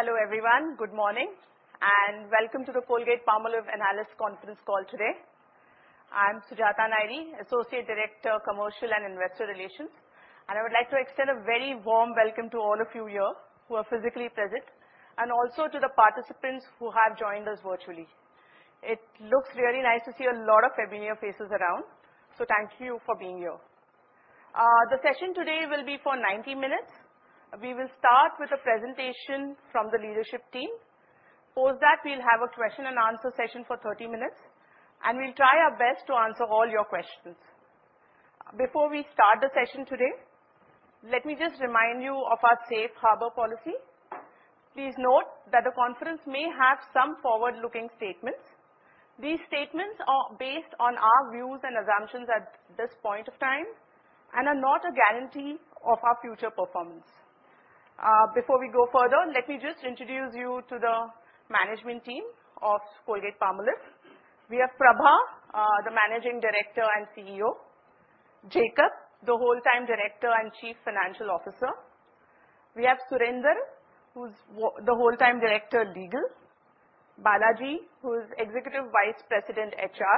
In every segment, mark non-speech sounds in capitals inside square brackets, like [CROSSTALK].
Hello, everyone. Good morning. Welcome to the Colgate-Palmolive Analyst Conference Call today. I'm Sujata Nairi, Associate Director, Commercial and Investor Relations. I would like to extend a very warm welcome to all of you here who are physically present, and also to the participants who have joined us virtually. It looks really nice to see a lot of familiar faces around. Thank you for being here. The session today will be for 90 minutes. We will start with a presentation from the leadership team. Post that, we'll have a question and answer session for 30 minutes, and we'll try our best to answer all your questions. Before we start the session today, let me just remind you of our safe harbor policy. Please note that the conference may have some forward-looking statements. These statements are based on our views and assumptions at this point of time and are not a guarantee of our future performance. Before we go further, let me just introduce you to the management team of Colgate-Palmolive. We have Prabha, the Managing Director and CEO. Jacob, the Whole-Time Director and Chief Financial Officer. We have Surender, who's the Whole-Time Director, Legal. Balaji, who is Executive Vice President, HR.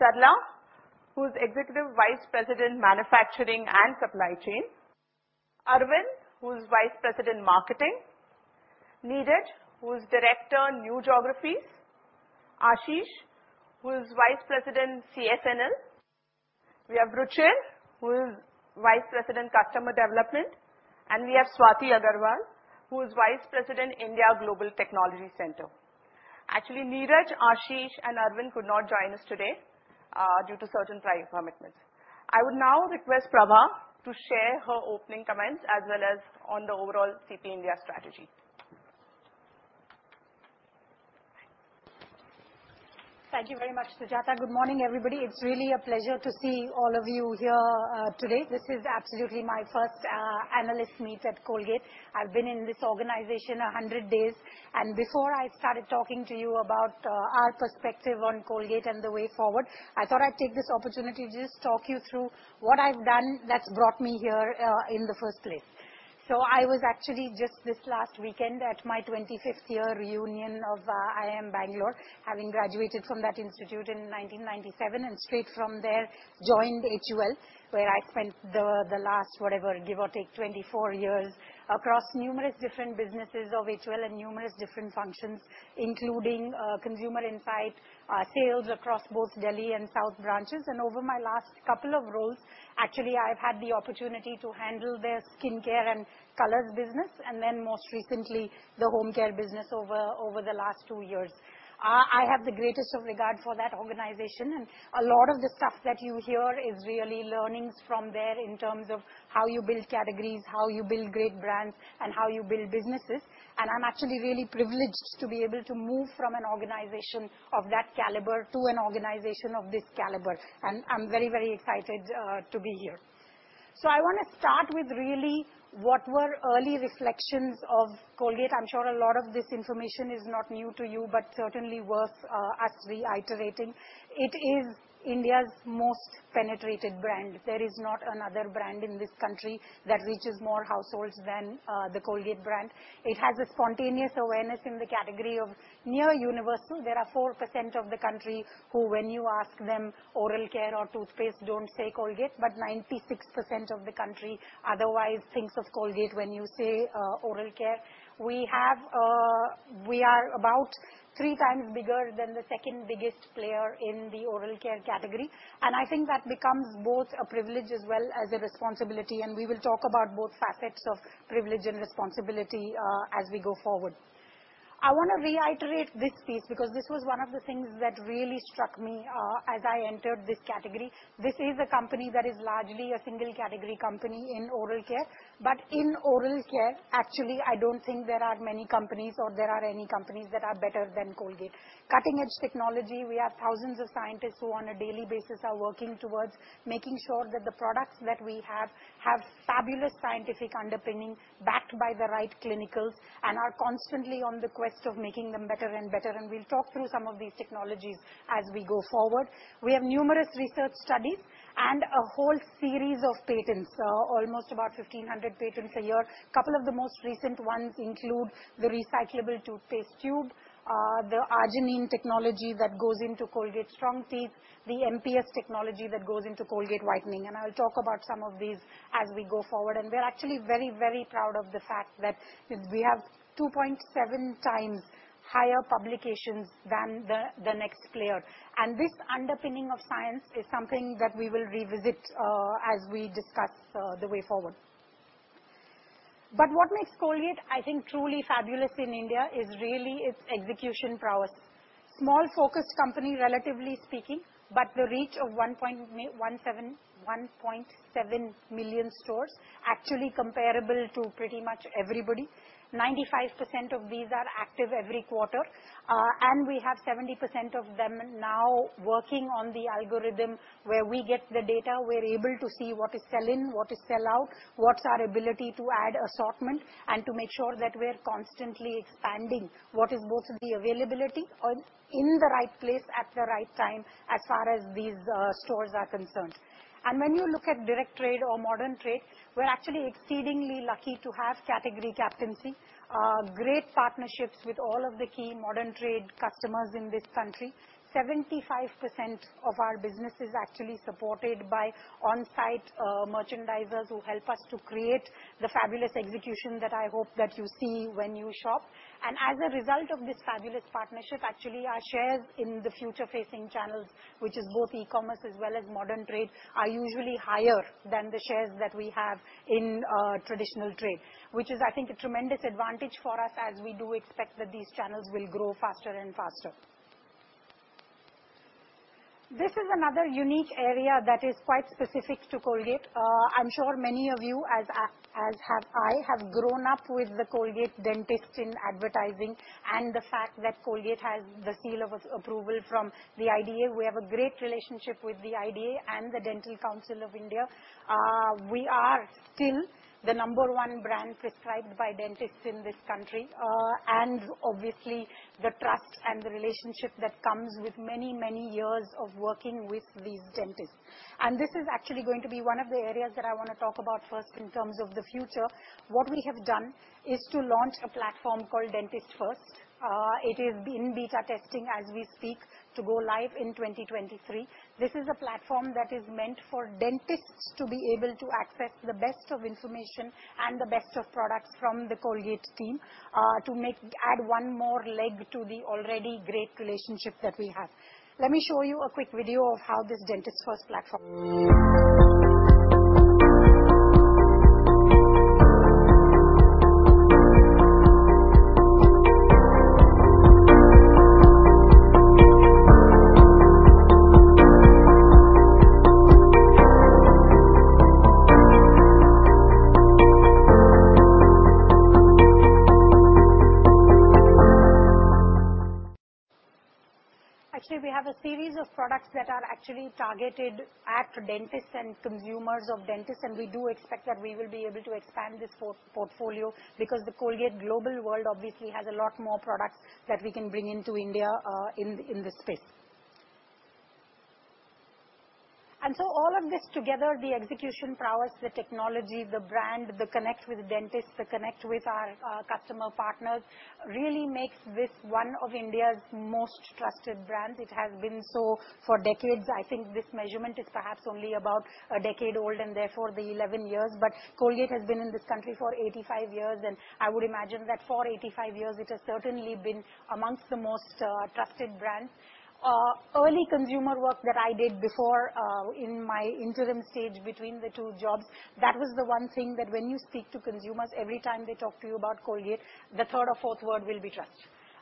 Sarala, who's Executive Vice President, Manufacturing and Supply Chain. Arvind, who's Vice President, Marketing. Neeraj, who's Director, New Geographies. Ashish, who is Vice President, CS&L. We have Ruchir, who is Vice President, Customer Development, and we have Swati Agarwal, who is Vice President, India Global Technology Center. Actually, Neeraj, Ashish and Arvind could not join us today, due to certain prior commitments. I would now request Prabha to share her opening comments as well as on the overall CP India strategy. Thank you very much, Sujata. Good morning, everybody. It's really a pleasure to see all of you here today. This is absolutely my first analyst meet at Colgate. I've been in this organization 100 days. Before I started talking to you about our perspective on Colgate and the way forward, I thought I'd take this opportunity to just talk you through what I've done that's brought me here in the first place. I was actually just this last weekend at my 25th year reunion of IIM Bangalore, having graduated from that institute in 1997. Straight from there joined HUL, where I spent the last, whatever, give or take 24 years across numerous different businesses of HUL and numerous different functions, including consumer insight, sales across both Delhi and South branches. Over my last couple of roles, actually, I've had the opportunity to handle their skincare and colors business and then most recently, the home care business over the last two years. I have the greatest of regard for that organization. A lot of the stuff that you hear is really learnings from there in terms of how you build categories, how you build great brands, and how you build businesses. I'm actually really privileged to be able to move from an organization of that caliber to an organization of this caliber. I'm very, very excited to be here. I wanna start with really what were early reflections of Colgate. I'm sure a lot of this information is not new to you, but certainly worth us reiterating. It is India's most penetrated brand. There is not another brand in this country that reaches more households than the Colgate brand. It has a spontaneous awareness in the category of near universal. There are 4% of the country who, when you ask them oral care or toothpaste, don't say Colgate, but 96% of the country otherwise thinks of Colgate when you say oral care. We are about times times bigger than the second biggest player in the oral care category, and I think that becomes both a privilege as well as a responsibility, and we will talk about both facets of privilege and responsibility as we go forward. I wanna reiterate this piece because this was one of the things that really struck me as I entered this category. This is a company that is largely a single category company in oral care. In oral care, actually, I don't think there are many companies or there are any companies that are better than Colgate. Cutting-edge technology. We have thousands of scientists who, on a daily basis, are working towards making sure that the products that we have have fabulous scientific underpinning backed by the right clinicals and are constantly on the quest of making them better and better, and we'll talk through some of these technologies as we go forward. We have numerous research studies and a whole series of patents, almost about 1,500 patents a year. Couple of the most recent ones include the recyclable toothpaste tube, the Arginine technology that goes into Colgate Strong Teeth, the MPS technology that goes into Colgate Whitening, and I'll talk about some of these as we go forward. We're actually very, very proud of the fact that we have 2.7 times higher publications than the next player. This underpinning of science is something that we will revisit as we discuss the way forward. What makes Colgate, I think, truly fabulous in India is really its execution prowess. Small focused company, relatively speaking, but the reach of 1.7 million stores, actually comparable to pretty much everybody. 95% of these are active every quarter. We have 70% of them now working on the algorithm where we get the data, we're able to see what is selling, what is sellout, what's our ability to add assortment, and to make sure that we're constantly expanding what is both the availability or in the right place at the right time, as far as these stores are concerned. When you look at direct trade or modern trade, we're actually exceedingly lucky to have category captaincy. Great partnerships with all of the key modern trade customers in this country. 75% of our business is actually supported by on-site merchandisers who help us to create the fabulous execution that I hope that you see when you shop. As a result of this fabulous partnership, actually, our shares in the future facing channels, which is both e-commerce as well as modern trade, are usually higher than the shares that we have in traditional trade. Which is, I think, a tremendous advantage for us, as we do expect that these channels will grow faster and faster. This is another unique area that is quite specific to Colgate. I'm sure many of you, as I, as have I, have grown up with the Colgate dentist in advertising and the fact that Colgate has the seal of approval from the IDA. We have a great relationship with the IDA and the Dental Council of India. We are still the number one brand prescribed by dentists in this country, and obviously the trust and the relationship that comes with many, many years of working with these dentists. This is actually going to be one of the areas that I wanna talk about first in terms of the future. What we have done is to launch a platform called Dentist First. It is in beta testing as we speak to go live in 2023. This is a platform that is meant for dentists to be able to access the best of information and the best of products from the Colgate team, add one more leg to the already great relationship that we have. Let me show you a quick video of how this Dentist First platform. Actually, we have a series of products that are actually targeted at dentists and consumers of dentists, and we do expect that we will be able to expand this portfolio because the Colgate global world obviously has a lot more products that we can bring into India in this space. All of this together, the execution prowess, the technology, the brand, the connect with dentists, the connect with our customer partners, really makes this one of India's most trusted brands. It has been so for decades. I think this measurement is perhaps only about a decade old and therefore the 11 years. Colgate has been in this country for 85 years, and I would imagine that for 85 years it has certainly been amongst the most trusted brands. Early consumer work that I did before, in my interim stage between the two jobs, that was the one thing that when you speak to consumers every time they talk to you about Colgate, the third or fourth word will be trust.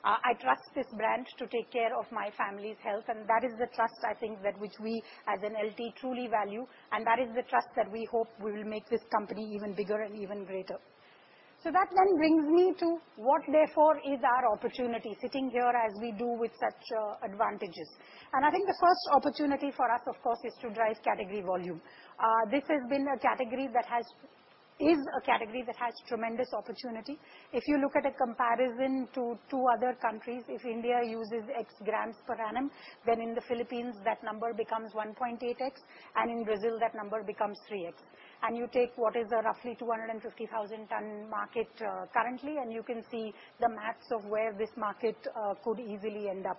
I trust this brand to take care of my family's health. That is the trust, I think, that which we as an LT truly value. That is the trust that we hope will make this company even bigger and even greater. That then brings me to what therefore is our opportunity sitting here as we do with such advantages. I think the first opportunity for us, of course, is to drive category volume. This has been a category is a category that has tremendous opportunity. If you look at a comparison to two other countries, if India uses X grams per annum, then in the Philippines that number becomes 1.8X, in Brazil, that number becomes 3X. You take what is a roughly 250,000-ton market, currently, and you can see the maths of where this market could easily end up.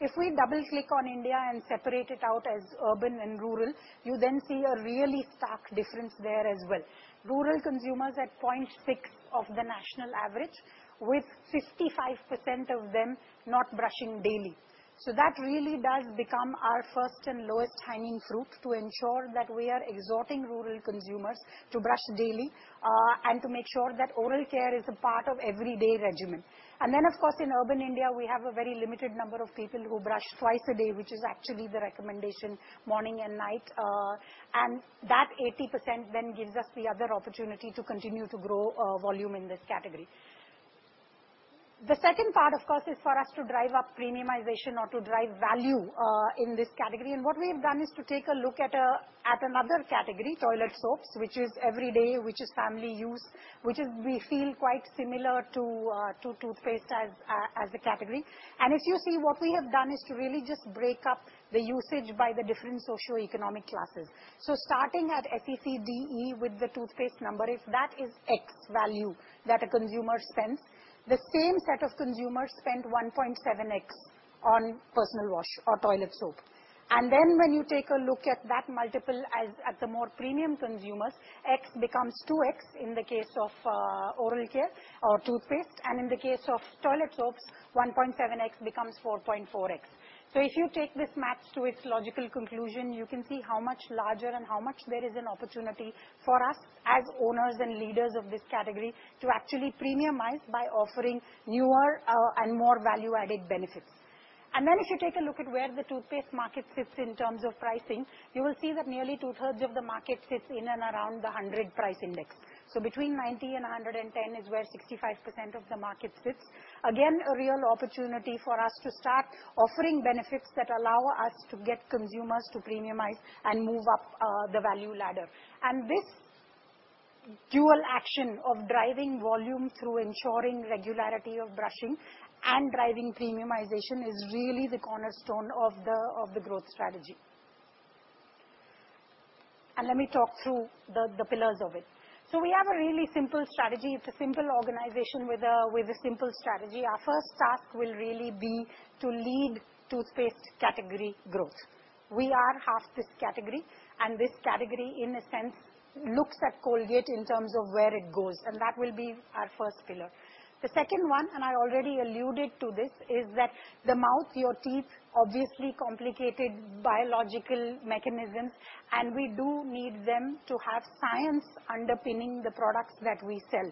If we double-click on India and separate it out as urban and rural, you then see a really stark difference there as well. Rural consumers at 0.6 of the national average, with 55% of them not brushing daily. That really does become our first and lowest hanging fruit to ensure that we are exhorting rural consumers to brush daily, and to make sure that oral care is a part of everyday regimen. Of course, in urban India, we have a very limited number of people who brush twice a day, which is actually the recommendation, morning and night. That 80% gives us the other opportunity to continue to grow volume in this category. The second part, of course, is for us to drive up premiumization or to drive value in this category. What we have done is to take a look at another category, toilet soaps, which is every day, which is family use, we feel quite similar to toothpaste as a category. If you see, what we have done is to really just break up the usage by the different socioeconomic classes. Starting at SEC DE with the toothpaste number, if that is X value that a consumer spends, the same set of consumers spend 1.7X on personal wash or toilet soap. When you take a look at that multiple at the more premium consumers, X becomes 2X in the case of oral care or toothpaste, and in the case of toilet soaps, 1.7X becomes 4.4X. If you take this maps to its logical conclusion, you can see how much larger and how much there is an opportunity for us as owners and leaders of this category to actually premiumize by offering newer, and more value-added benefits. If you take a look at where the toothpaste market fits in terms of pricing, you will see that nearly two-thirds of the market fits in and around the 100 price index. Between 90 and 110 is where 65% of the market sits. Again, a real opportunity for us to start offering benefits that allow us to get consumers to premiumize and move up the value ladder. This dual action of driving volume through ensuring regularity of brushing and driving premiumization is really the cornerstone of the growth strategy. Let me talk through the pillars of it. We have a really simple strategy. It's a simple organization with a simple strategy. Our first task will really be to lead toothpaste category growth. We are half this category, this category in a sense looks at Colgate in terms of where it goes, and that will be our first pillar. The second one, I already alluded to this, is that the mouth, your teeth, obviously complicated biological mechanisms, and we do need them to have science underpinning the products that we sell.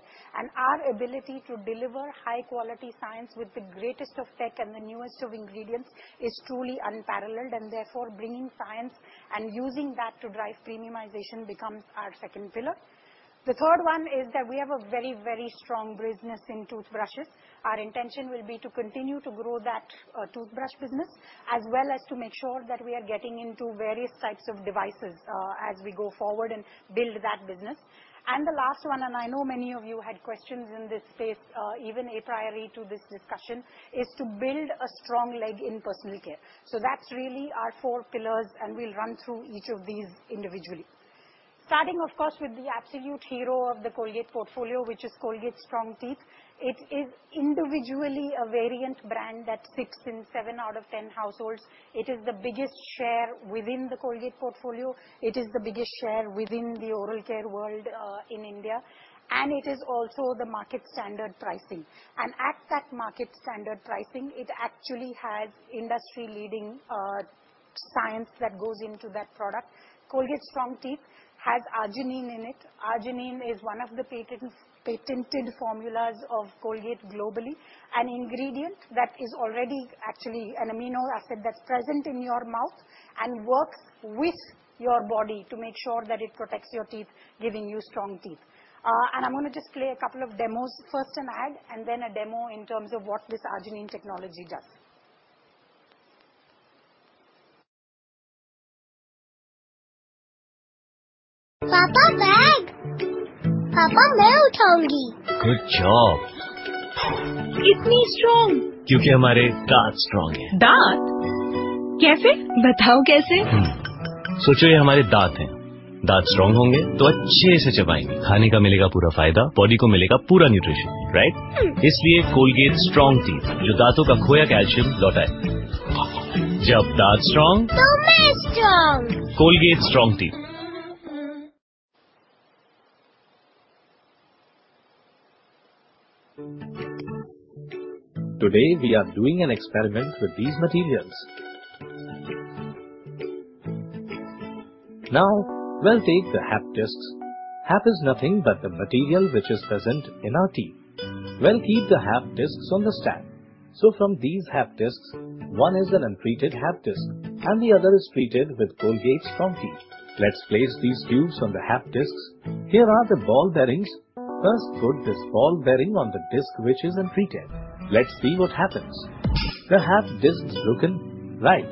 Our ability to deliver high-quality science with the greatest of tech and the newest of ingredients is truly unparalleled, therefore bringing science and using that to drive premiumization becomes our second pillar. The third one is that we have a very, very strong business in toothbrushes. Our intention will be to continue to grow that toothbrush business as well as to make sure that we are getting into various types of devices as we go forward and build that business. The last one, and I know many of you had questions in this space, even a priori to this discussion, is to build a strong leg in personal care. That's really our four pillars, and we'll run through each of these individually. Starting, of course, with the absolute hero of the Colgate portfolio, which is Colgate Strong Teeth. It is individually a variant brand that sits in seven out of 10 households. It is the biggest share within the Colgate portfolio. It is the biggest share within the oral care world, in India, and it is also the market standard pricing. At that market standard pricing, it actually has industry-leading science that goes into that product. Colgate Strong Teeth has Arginine in it. Arginine is one of the patents... patented formulas of Colgate globally, an ingredient that is already actually an amino acid that's present in your mouth and works with your body to make sure that it protects your teeth, giving you strong teeth. I'm gonna just play a couple of demos. First an ad, and then a demo in terms of what this Arginine technology does. Papa bag. Papa, Today we are doing an experiment with these materials. We'll take the HAP discs. HAP is nothing but the material which is present in our teeth. We'll keep the HAP discs on the stand. From these HAP discs, one is an untreated HAP disc and the other is treated with Colgate Strong Teeth. Let's place these tubes on the HAP discs. Here are the ball bearings. First, put this ball bearing on the disc which is untreated. Let's see what happens. The HAP disc's broken. Right.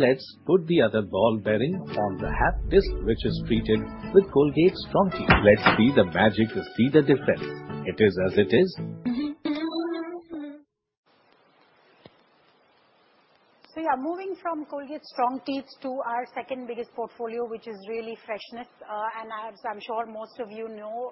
Let's put the other ball bearing on the HAP disc which is treated with Colgate Strong Teeth. Let's see the magic to see the difference. It is as it is. Yeah, moving from Colgate Strong Teeth to our second-biggest portfolio, which is really freshness. As I'm sure most of you know,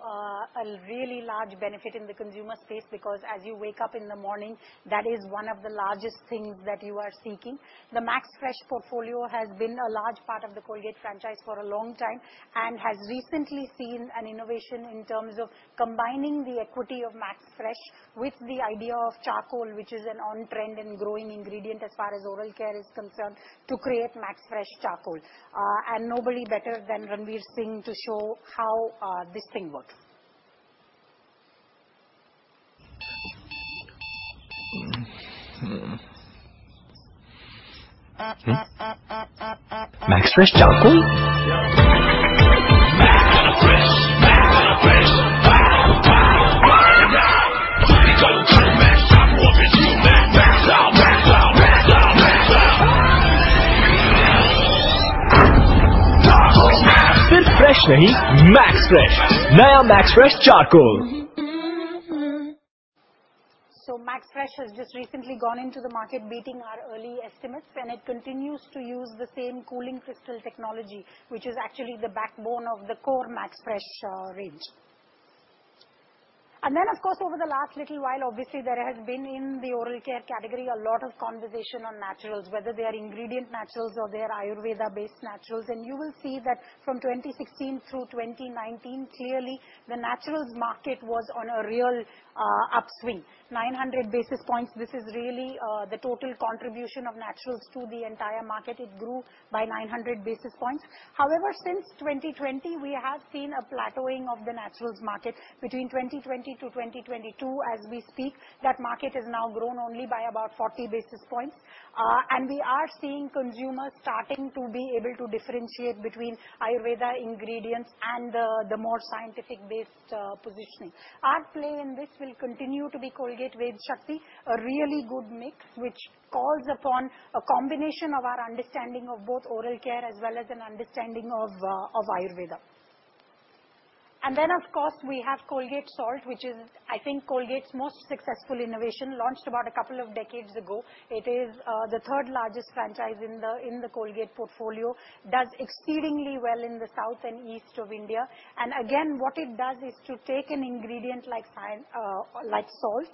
a really large benefit in the consumer space because as you wake up in the morning, that is one of the largest things that you are seeking. The MaxFresh portfolio has been a large part of the Colgate franchise for a long time and has recently seen an innovation in terms of combining the equity of MaxFresh with the idea of charcoal, which is an on-trend and growing ingredient as far as oral care is concerned, to create Max Fresh Charcoal. Nobody better than Ranveer Singh to show how this thing works. Max Fresh Charcoal? [AUDIO DISTORTION] Still fresh. MaxFresh has just recently gone into the market beating our early estimates, and it continues to use the same Cooling Crystal Technology, which is actually the backbone of the core MaxFresh range. Of course, over the last little while, obviously, there has been in the oral care category a lot of conversation on naturals, whether they are ingredient naturals or they are Ayurveda-based naturals. You will see that from 2016 through 2019, clearly, the naturals market was on a real upswing. 900 basis points, this is really the total contribution of naturals to the entire market. It grew by 900 basis points. Since 2020, we have seen a plateauing of the naturals market. Between 2020 to 2022 as we speak, that market has now grown only by about 40 basis points. We are seeing consumers starting to be able to differentiate between Ayurveda ingredients and the more scientific-based positioning. Our play in this will continue to be Colgate Vedshakti, a really good mix which calls upon a combination of our understanding of both oral care as well as an understanding of Ayurveda. Of course, we have Colgate Salt, which is, I think, Colgate's most successful innovation, launched about a couple of decades ago. It is the third-largest franchise in the Colgate portfolio, does exceedingly well in the South and East of India. Again, what it does is to take an ingredient like salt,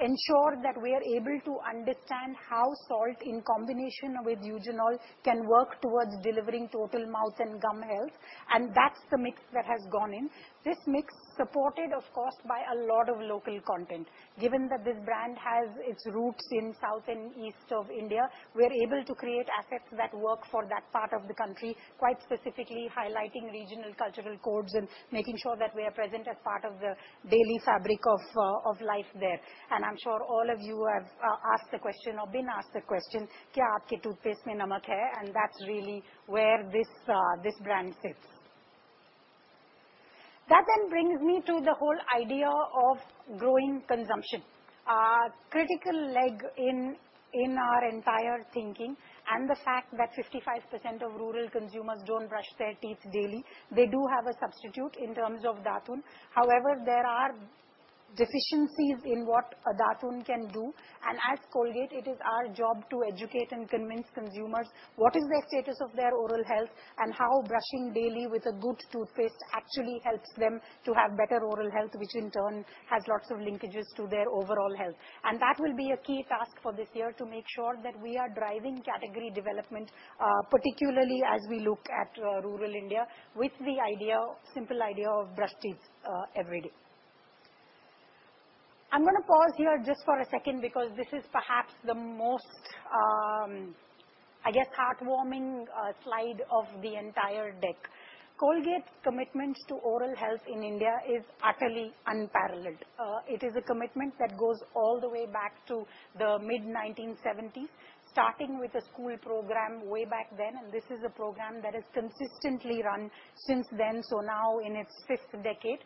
ensure that we are able to understand how salt in combination with eugenol can work towards delivering total mouth and gum health, and that's the mix that has gone in. This mix supported, of course, by a lot of local content. Given that this brand has its roots in South and East of India, we're able to create assets that work for that part of the country, quite specifically highlighting regional cultural codes and making sure that we are present as part of the daily fabric of life there. I'm sure all of you have asked the question or been asked the question, ""Kya aapke toothpaste mein namak hai?"" That's really where this brand sits. That then brings me to the whole idea of growing consumption. critical leg in our entire thinking and the fact that 55% of rural consumers don't brush their teeth daily. They do have a substitute in terms of datun. However, there are deficiencies in what a datun can do, and as Colgate, it is our job to educate and convince consumers what is the status of their oral health and how brushing daily with a good toothpaste actually helps them to have better oral health, which in turn has lots of linkages to their overall health. That will be a key task for this year, to make sure that we are driving category development, particularly as we look at rural India with the simple idea of brush teeth every day. I'm gonna pause here just for a second because this is perhaps the most, I guess, heartwarming slide of the entire deck. Colgate commitment to oral health in India is utterly unparalleled. It is a commitment that goes all the way back to the mid-1970, starting with a school program way back then. This is a program that has consistently run since then, so now in its 5th decade.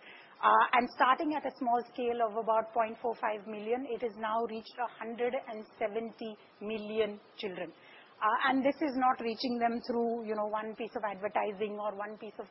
Starting at a small scale of about 0.45 million, it has now reached 170 million children. This is not reaching them through, you know, one piece of advertising or one piece of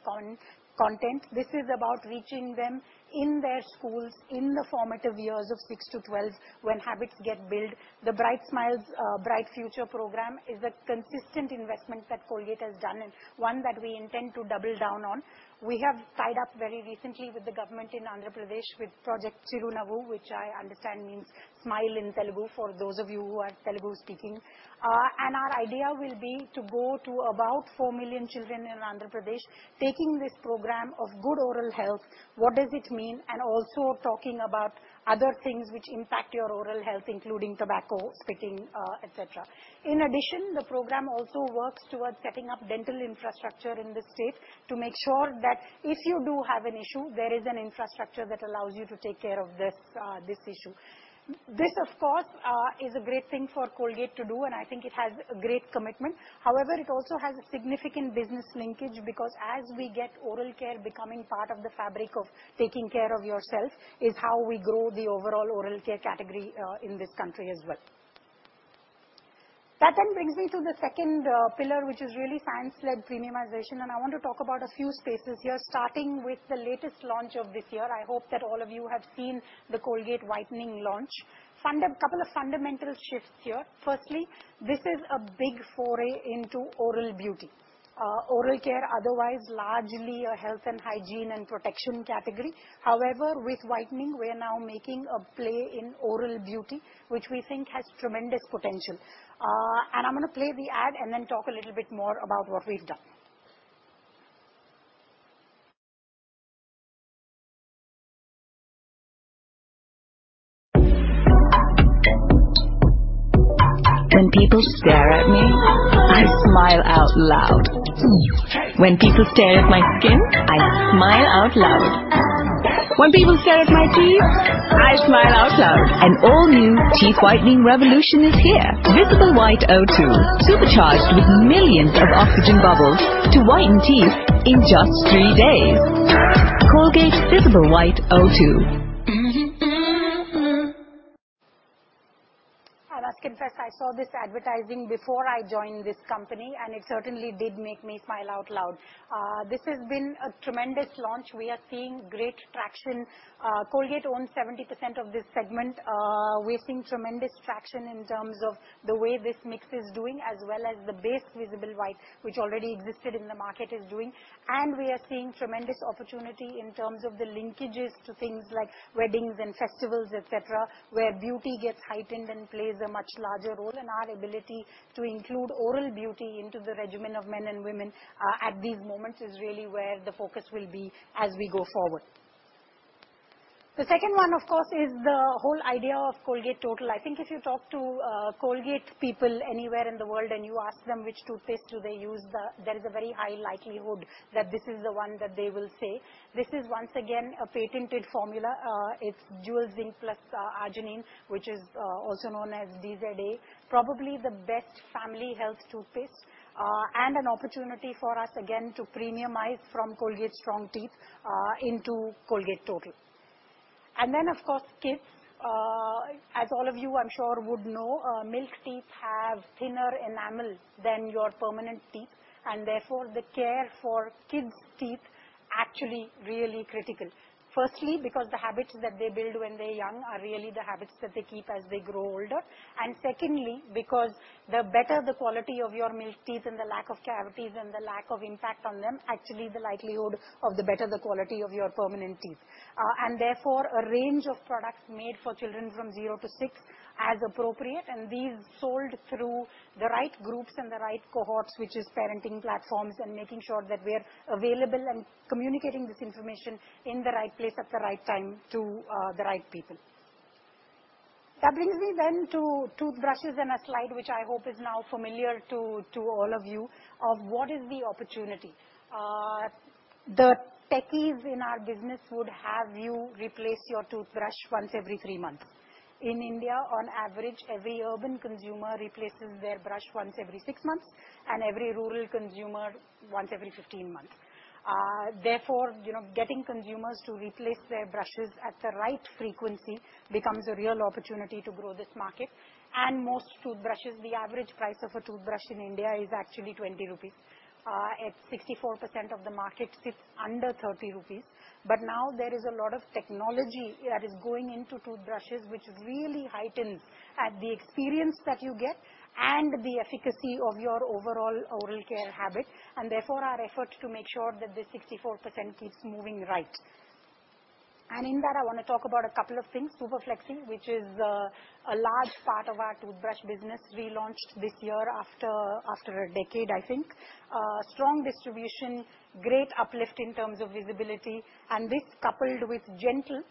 content. This is about reaching them in their schools in the formative years of six to 12, when habits get built. The Bright Smiles, Bright Futures program is a consistent investment that Colgate has done and one that we intend to double down on. We have tied up very recently with the government in Andhra Pradesh with Project Chirunavu, which I understand means smile in Telugu, for those of you who are Telugu speaking. Our idea will be to go to about 4 million children in Andhra Pradesh, taking this program of good oral health, what does it mean, and also talking about other things which impact your oral health, including tobacco, spitting, et cetera. In addition, the program also works towards setting up dental infrastructure in the state to make sure that if you do have an issue, there is an infrastructure that allows you to take care of this issue. This, of course, is a great thing for Colgate to do, and I think it has a great commitment. However, it also has a significant business linkage because as we get oral care becoming part of the fabric of taking care of yourself is how we grow the overall oral care category in this country as well. That brings me to the second pillar, which is really science-led premiumization, and I want to talk about a few spaces here, starting with the latest launch of this year. I hope that all of you have seen the Colgate Whitening launch. Couple of fundamental shifts here. Firstly, this is a big foray into oral beauty. Oral care, otherwise largely a health and hygiene and protection category. However, with Whitening, we are now making a play in oral beauty, which we think has tremendous potential. I'm gonna play the ad and then talk a little bit more about what we've done. When people stare at me, I smile out loud. When people stare at my skin, I smile out loud. When people stare at my teeth, I smile out loud. An all-new teeth whitening revolution is here. Visible White O2, supercharged with millions of oxygen bubbles to whiten teeth in just three days. Colgate Visible White O2. I can confess, I saw this advertising before I joined this company, and it certainly did make me smile out loud. This has been a tremendous launch. We are seeing great traction. Colgate owns 70% of this segment. We're seeing tremendous traction in terms of the way this mix is doing, as well as the base Visible White, which already existed in the market, is doing. We are seeing tremendous opportunity in terms of the linkages to things like weddings and festivals, et cetera, where beauty gets heightened and plays a much larger role in our ability to include oral beauty into the regimen of men and women, at these moments is really where the focus will be as we go forward. The second one, of course, is the whole idea of Colgate Total. I think if you talk to Colgate people anywhere in the world, and you ask them which toothpaste do they use, there is a very high likelihood that this is the one that they will say. This is once again a patented formula. It's Dual Zinc plus Arginine, which is also known as DZA, probably the best family health toothpaste, and an opportunity for us again to premiumize from Colgate Strong Teeth into Colgate Total. Then of course kids. As all of you I'm sure would know, milk teeth have thinner enamel than your permanent teeth and therefore the care for kids' teeth actually really critical. Firstly, because the habits that they build when they're young are really the habits that they keep as they grow older. Secondly, because the better the quality of your milk teeth and the lack of cavities and the lack of impact on them, actually the likelihood of the better the quality of your permanent teeth. Therefore, a range of products made for children from zero to six as appropriate. These sold through the right groups and the right cohorts, which is parenting platforms. Making sure that we're available and communicating this information in the right place at the right time to the right people. That brings me then to toothbrushes and a slide which I hope is now familiar to all of you of what is the opportunity. The techies in our business would have you replace your toothbrush once every three months. In India, on average, every urban consumer replaces their brush once every six months, and every rural consumer once every 15 months. Therefore, you know, getting consumers to replace their brushes at the right frequency becomes a real opportunity to grow this market. Most toothbrushes, the average price of a toothbrush in India is actually 20 rupees. 64% of the market sits under 30 rupees. Now there is a lot of technology that is going into toothbrushes, which really heightens the experience that you get and the efficacy of your overall oral care habit, and therefore our effort to make sure that the 64% keeps moving right. In that, I wanna talk about a couple of things. Super Flexi, which is a large part of our toothbrush business, relaunched this year after a decade, I think. Strong distribution, great uplift in terms of visibility, this coupled with Gentle,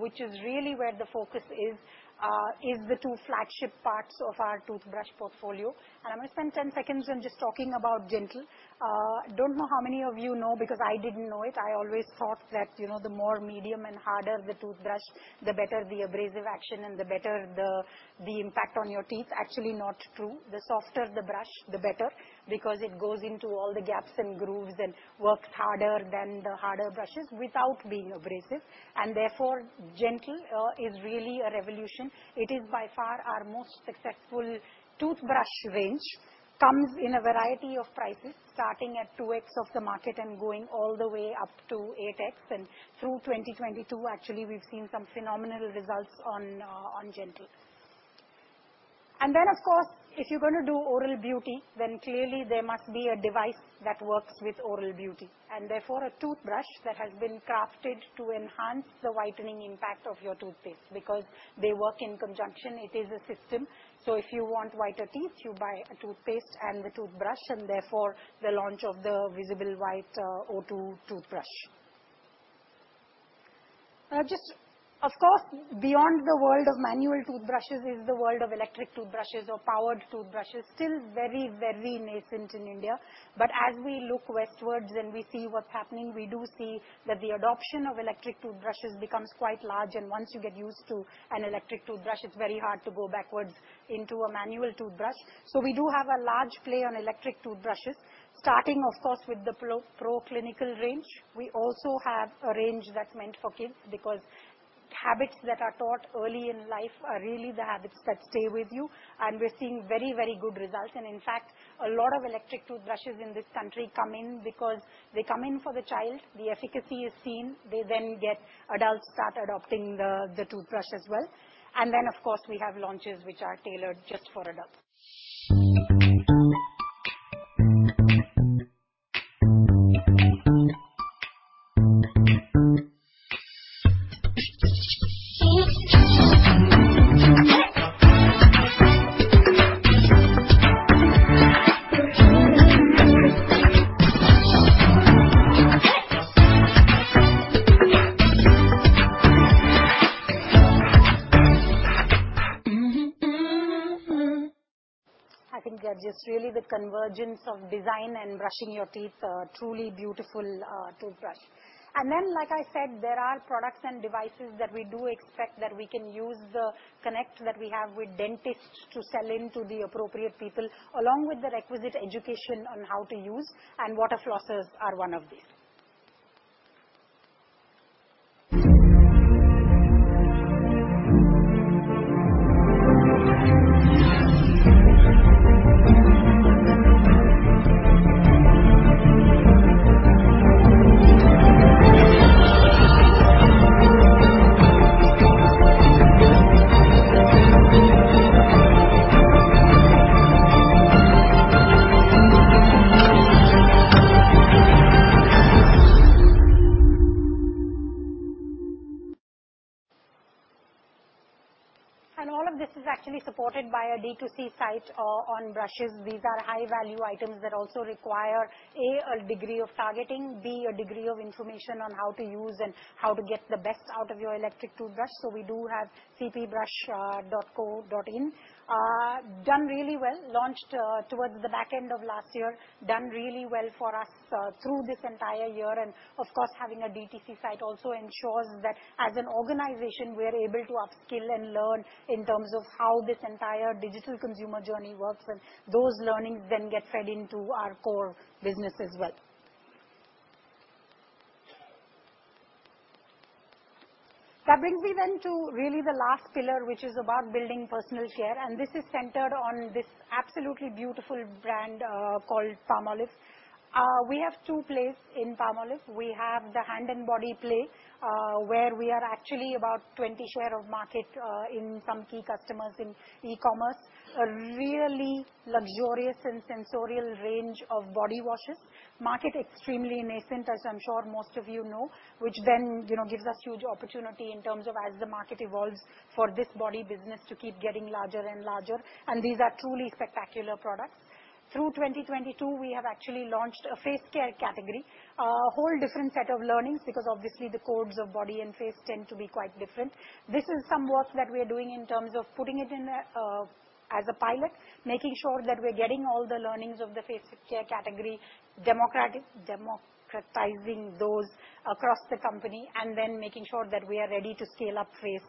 which is really where the focus is the two flagship parts of our toothbrush portfolio. I'm gonna spend 10 seconds on just talking about Gentle. Don't know how many of you know because I didn't know it. I always thought that, you know, the more medium and harder the toothbrush, the better the abrasive action and the better the impact on your teeth. Actually, not true. The softer the brush, the better, because it goes into all the gaps and grooves and works harder than the harder brushes without being abrasive. Therefore, Gentle is really a revolution. It is by far our most successful toothbrush range. Comes in a variety of prices, starting at 2X of the market and going all the way up to 8X. Through 2022, actually, we've seen some phenomenal results on Gentle. Of course, if you're gonna do oral beauty, then clearly there must be a device that works with oral beauty, and therefore a toothbrush that has been crafted to enhance the whitening impact of your toothpaste because they work in conjunction. It is a system. If you want whiter teeth, you buy a toothpaste and the toothbrush and therefore the launch of the Visible White O2 toothbrush. Of course, beyond the world of manual toothbrushes is the world of electric toothbrushes or powered toothbrushes. Still very, very nascent in India. As we look westwards and we see what's happening, we do see that the adoption of electric toothbrushes becomes quite large. Once you get used to an electric toothbrush, it's very hard to go backwards into a manual toothbrush. We do have a large play on electric toothbrushes, starting of course, with the ProClinical range. We also have a range that's meant for kids because habits that are taught early in life are really the habits that stay with you, and we're seeing very, very good results. In fact, a lot of electric toothbrushes in this country come in because they come in for the child, the efficacy is seen. Adults start adopting the toothbrush as well. Of course, we have launches which are tailored just for adults. I think they're just really the convergence of design and brushing your teeth, a truly beautiful toothbrush. Like I said, there are products and devices that we do expect that we can use the connect that we have with dentists to sell into the appropriate people, along with the requisite education on how to use, and water flossers are one of these. All of this is actually supported by a D2C site on brushes. These are high-value items that also require, A, a degree of targeting, B, a degree of information on how to use and how to get the best out of your electric toothbrush. We do have cpbrush.co.in. Done really well. Launched towards the back end of last year, done really well for us through this entire year. Of course, having a DTC site also ensures that as an organization, we're able to upskill and learn in terms of how this entire digital consumer journey works, and those learnings then get fed into our core business as well. That brings me then to really the last pillar, which is about building personal share, and this is centered on this absolutely beautiful brand, called Palmolive. We have two plays in Palmolive. We have the hand and body play, where we are actually about 20 share of market, in some key customers in eCommerce. A really luxurious and sensorial range of body washes. Market extremely nascent, as I'm sure most of you know, which then, you know, gives us huge opportunity in terms of as the market evolves for this body business to keep getting larger and larger, and these are truly spectacular products. Through 2022, we have actually launched a face care category. A whole different set of learnings because obviously the codes of body and face tend to be quite different. This is some work that we are doing in terms of putting it in a as a pilot, making sure that we're getting all the learnings of the face care category, democratizing those across the company, and then making sure that we are ready to scale up face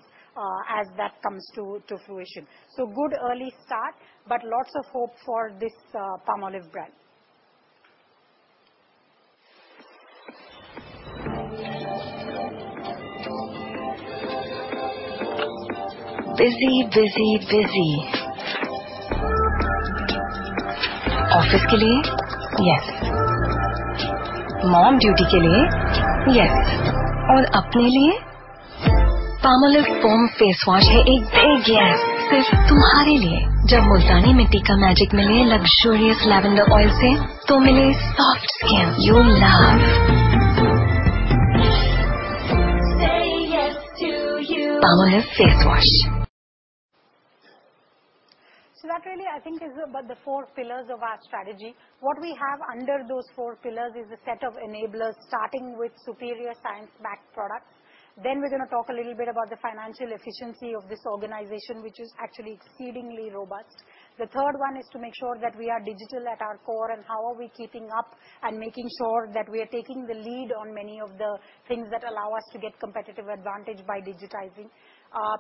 as that comes to fruition. Good early start, but lots of hope for this Palmolive brand. Busy, busy. Office ke liye? Yes. Mom duty ke liye? Yes. Aur apne liye? Palmolive Foam Face Wash hai ek big yes, sirf tumhare liye. Jab Multani mitti ka magic mile luxurious lavender oil se, toh mile soft skin you'll love. Say yes to you. Palmolive Face Wash. That really, I think, is about the four pillars of our strategy. What we have under those four pillars is a set of enablers starting with superior science-backed products. We're going to talk a little bit about the financial efficiency of this organization, which is actually exceedingly robust. The third one is to make sure that we are digital at our core, and how are we keeping up and making sure that we are taking the lead on many of the things that allow us to get competitive advantage by digitizing.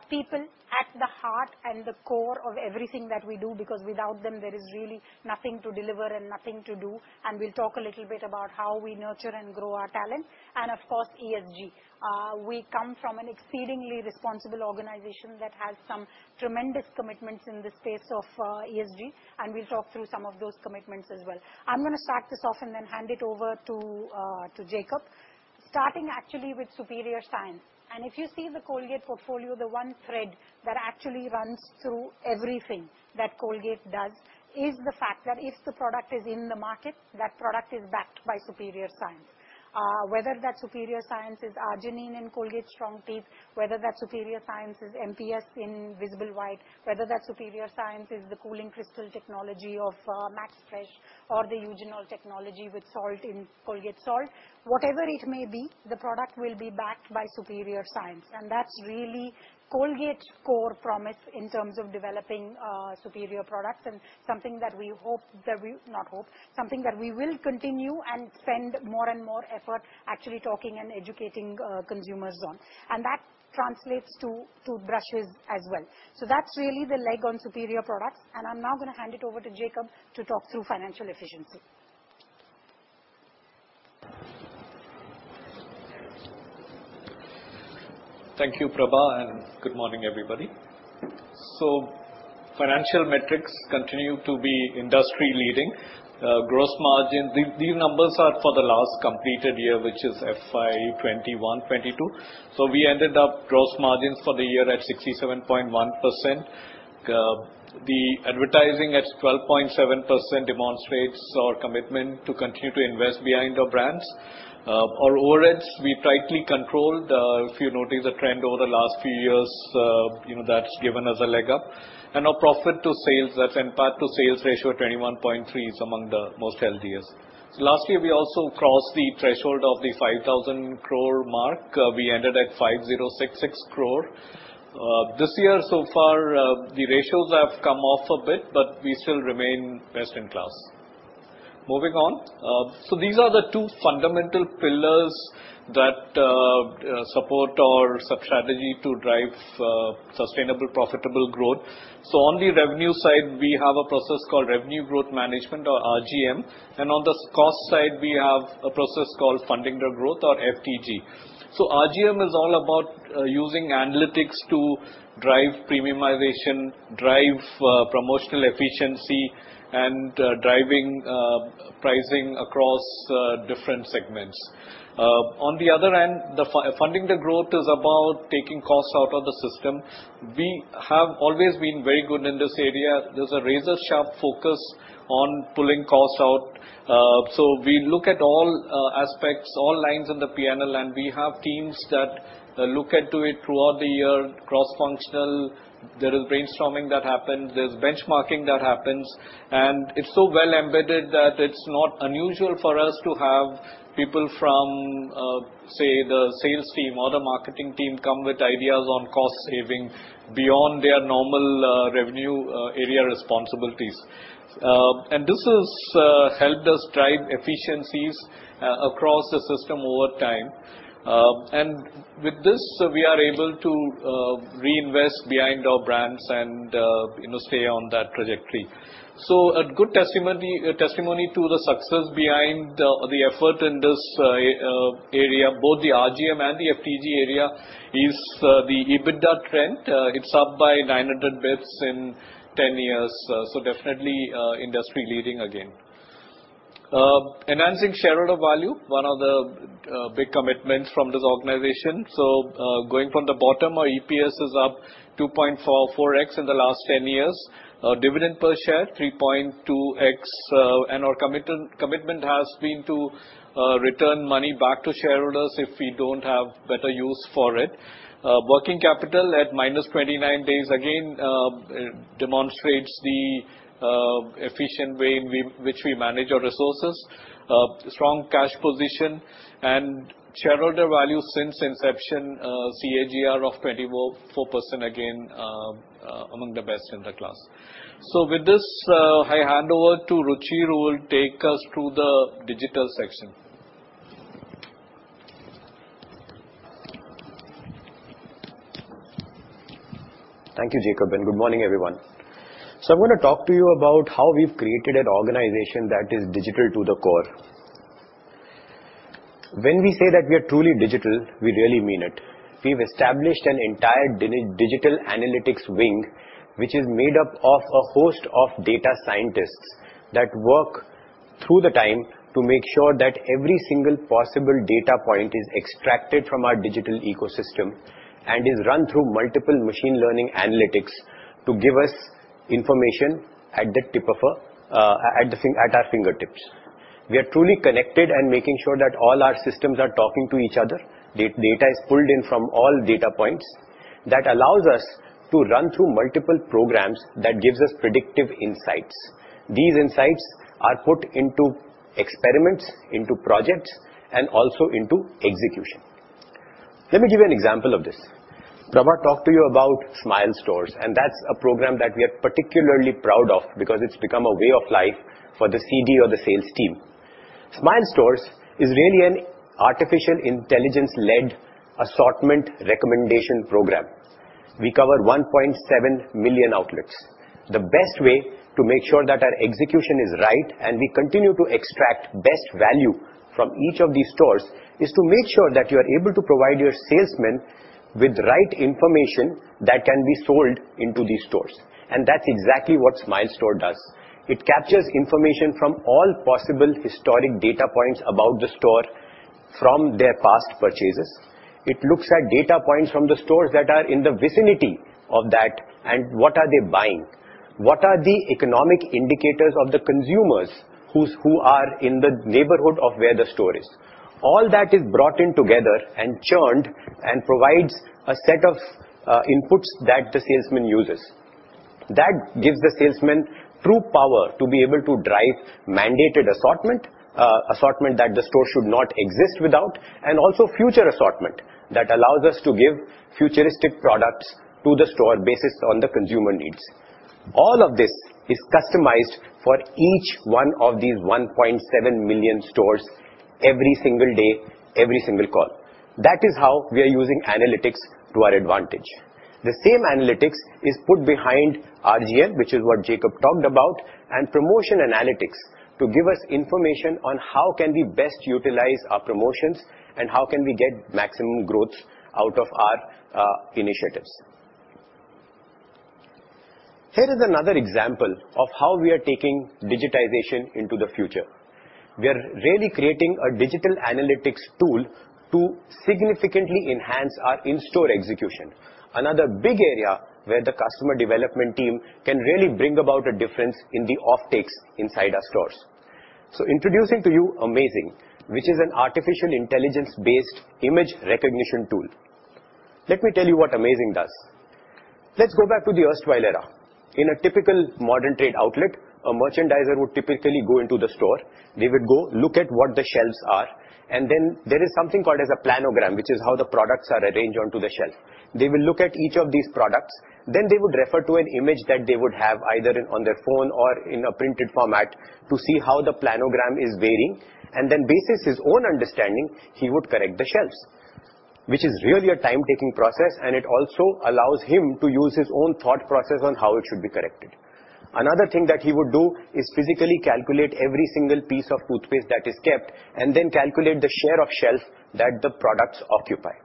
People at the heart and the core of everything that we do because without them, there is really nothing to deliver and nothing to do, and we'll talk a little bit about how we nurture and grow our talent. Of course, ESG. We come from an exceedingly responsible organization that has some tremendous commitments in the space of ESG, we will talk through some of those commitments as well. I'm gonna start this off then hand it over to Jacob. Starting actually with superior science. If you see the Colgate portfolio, the one thread that actually runs through everything that Colgate does is the fact that if the product is in the market, that product is backed by superior science. Whether that superior science is Arginine in Colgate Strong Teeth, whether that superior science is MPS in Visible White, whether that superior science is the Cooling Crystal Technology of Max Fresh or the eugenol technology with salt in Colgate Salt, whatever it may be, the product will be backed by superior science. That's really Colgate's core promise in terms of developing superior products and something that we will continue and spend more and more effort actually talking and educating consumers on. That translates to toothbrushes as well. That's really the leg on superior products, and I'm now gonna hand it over to Jacob to talk through financial efficiency. Thank you, Prabha, and good morning, everybody. Financial metrics continue to be industry-leading. These numbers are for the last completed year, which is FY 2021/2022. We ended up gross margins for the year at 67.1%. The advertising at 12.7% demonstrates our commitment to continue to invest behind our brands. Our overheads, we tightly controlled. If you notice a trend over the last few years, you know, that's given us a leg up. Our profit to sales, that's NPAT to sales ratio at 21.3% is among the most healthiest. Last year, we also crossed the threshold of the 5,000 crore mark. We ended at 5,066 crore. This year so far, the ratios have come off a bit, we still remain best in class. Moving on. These are the two fundamental pillars that support our strategy to drive sustainable, profitable growth. On the revenue side, we have a process called Revenue Growth Management or RGM, and on the cost side, we have a process called Funding the Growth or FTG. RGM is all about using analytics to drive premiumization, drive promotional efficiency and driving pricing across different segments. On the other end, the Funding the Growth is about taking costs out of the system. We have always been very good in this area. There's a razor-sharp focus on pulling costs out. We look at all aspects, all lines in the P&L, and we have teams that look at to it throughout the year, cross-functional. There is brainstorming that happens, there's benchmarking that happens, and it's so well-embedded that it's not unusual for us to have people from, say, the sales team or the marketing team come with ideas on cost saving beyond their normal revenue area responsibilities. This has helped us drive efficiencies across the system over time. With this, we are able to reinvest behind our brands and, you know, stay on that trajectory. A good testimony to the success behind the effort in this area, both the RGM and the FTG area is the EBITDA trend. It's up by 900 bits in 10 years, definitely, industry-leading again. Enhancing shareholder value, one of the big commitments from this organization. Going from the bottom, our EPS is up 2.44X in the last 10 years. Our dividend per share, 3.2X, and our commitment has been to return money back to shareholders if we don't have better use for it. Working capital at -29 days again, demonstrates the efficient way we, which we manage our resources. Strong cash position and shareholder value since inception, CAGR of 24% again, among the best in the class. With this, I hand over to Ruchir who will take us through the digital section. Thank you, Jacob. Good morning, everyone. I'm gonna talk to you about how we've created an organization that is digital to the core. When we say that we are truly digital, we really mean it. We've established an entire digital analytics wing, which is made up of a host of data scientists that work through the time to make sure that every single possible data point is extracted from our digital ecosystem and is run through multiple machine learning analytics to give us information at the tip of our fingertips. We are truly connected and making sure that all our systems are talking to each other. Data is pulled in from all data points. That allows us to run through multiple programs that gives us predictive insights. These insights are put into experiments, into projects, and also into execution. Let me give you an example of this. Prabha talked to you about Smile Stores. That's a program that we are particularly proud of because it's become a way of life for the CD or the sales team. Smile Stores is really an artificial intelligence-led assortment recommendation program. We cover 1.7 million outlets. The best way to make sure that our execution is right and we continue to extract best value from each of these stores is to make sure that you are able to provide your salesmen with right information that can be sold into these stores. That's exactly what Smile Store does. It captures information from all possible historic data points about the store from their past purchases. It looks at data points from the stores that are in the vicinity of that and what are they buying, what are the economic indicators of the consumers who are in the neighborhood of where the store is. All that is brought in together and churned and provides a set of inputs that the salesman uses. That gives the salesman true power to be able to drive mandated assortment that the store should not exist without, and also future assortment that allows us to give futuristic products to the store basis on the consumer needs. All of this is customized for each one of these 1.7 million stores every single day, every single call. That is how we are using analytics to our advantage. The same analytics is put behind RGM, which is what Jacob talked about, and promotion analytics to give us information on how can we best utilize our promotions and how can we get maximum growth out of our initiatives. Here is another example of how we are taking digitization into the future. We are really creating a digital analytics tool to significantly enhance our in-store execution, another big area where the customer development team can really bring about a difference in the off takes inside our stores. Introducing to you Amazing, which is an artificial intelligence-based image recognition tool. Let me tell you what Amazing does. Let's go back to the erstwhile era. In a typical modern trade outlet, a merchandiser would typically go into the store. They would go look at what the shelves are, and then there is something called as a planogram, which is how the products are arranged onto the shelf. They will look at each of these products. They would refer to an image that they would have either on their phone or in a printed format to see how the planogram is varying, and then basis his own understanding, he would correct the shelves. Which is really a time-taking process, and it also allows him to use his own thought process on how it should be corrected. Another thing that he would do is physically calculate every single piece of toothpaste that is kept, and then calculate the share of shelf that the products occupy.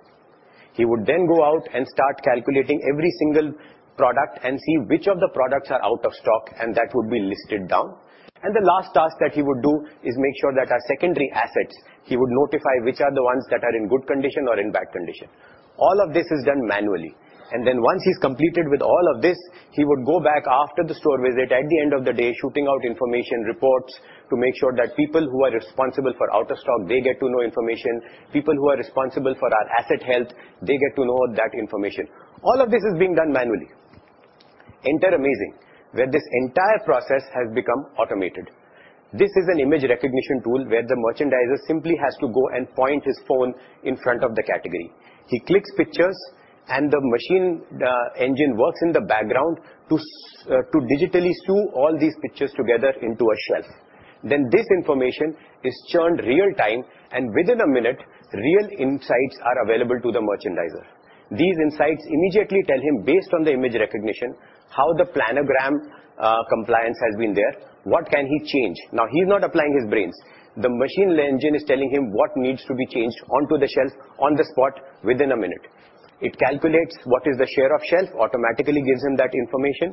He would then go out and start calculating every single product and see which of the products are out of stock and that would be listed down. The last task that he would do is make sure that our secondary assets, he would notify which are the ones that are in good condition or in bad condition. All of this is done manually. Once he's completed with all of this, he would go back after the store visit at the end of the day, shooting out information reports to make sure that people who are responsible for out of stock, they get to know information. People who are responsible for our asset health, they get to know that information. All of this is being done manually. Enter Amazing, where this entire process has become automated. This is an image recognition tool where the merchandiser simply has to go and point his phone in front of the category. He clicks pictures. The machine engine works in the background to digitally sew all these pictures together into a shelf. This information is shown real-time, and within a minute, real insights are available to the merchandiser. These insights immediately tell him based on the image recognition, how the planogram compliance has been there, what can he change. He's not applying his brains. The machine engine is telling him what needs to be changed onto the shelf on the spot within a minute. It calculates what is the share of shelf, automatically gives him that information.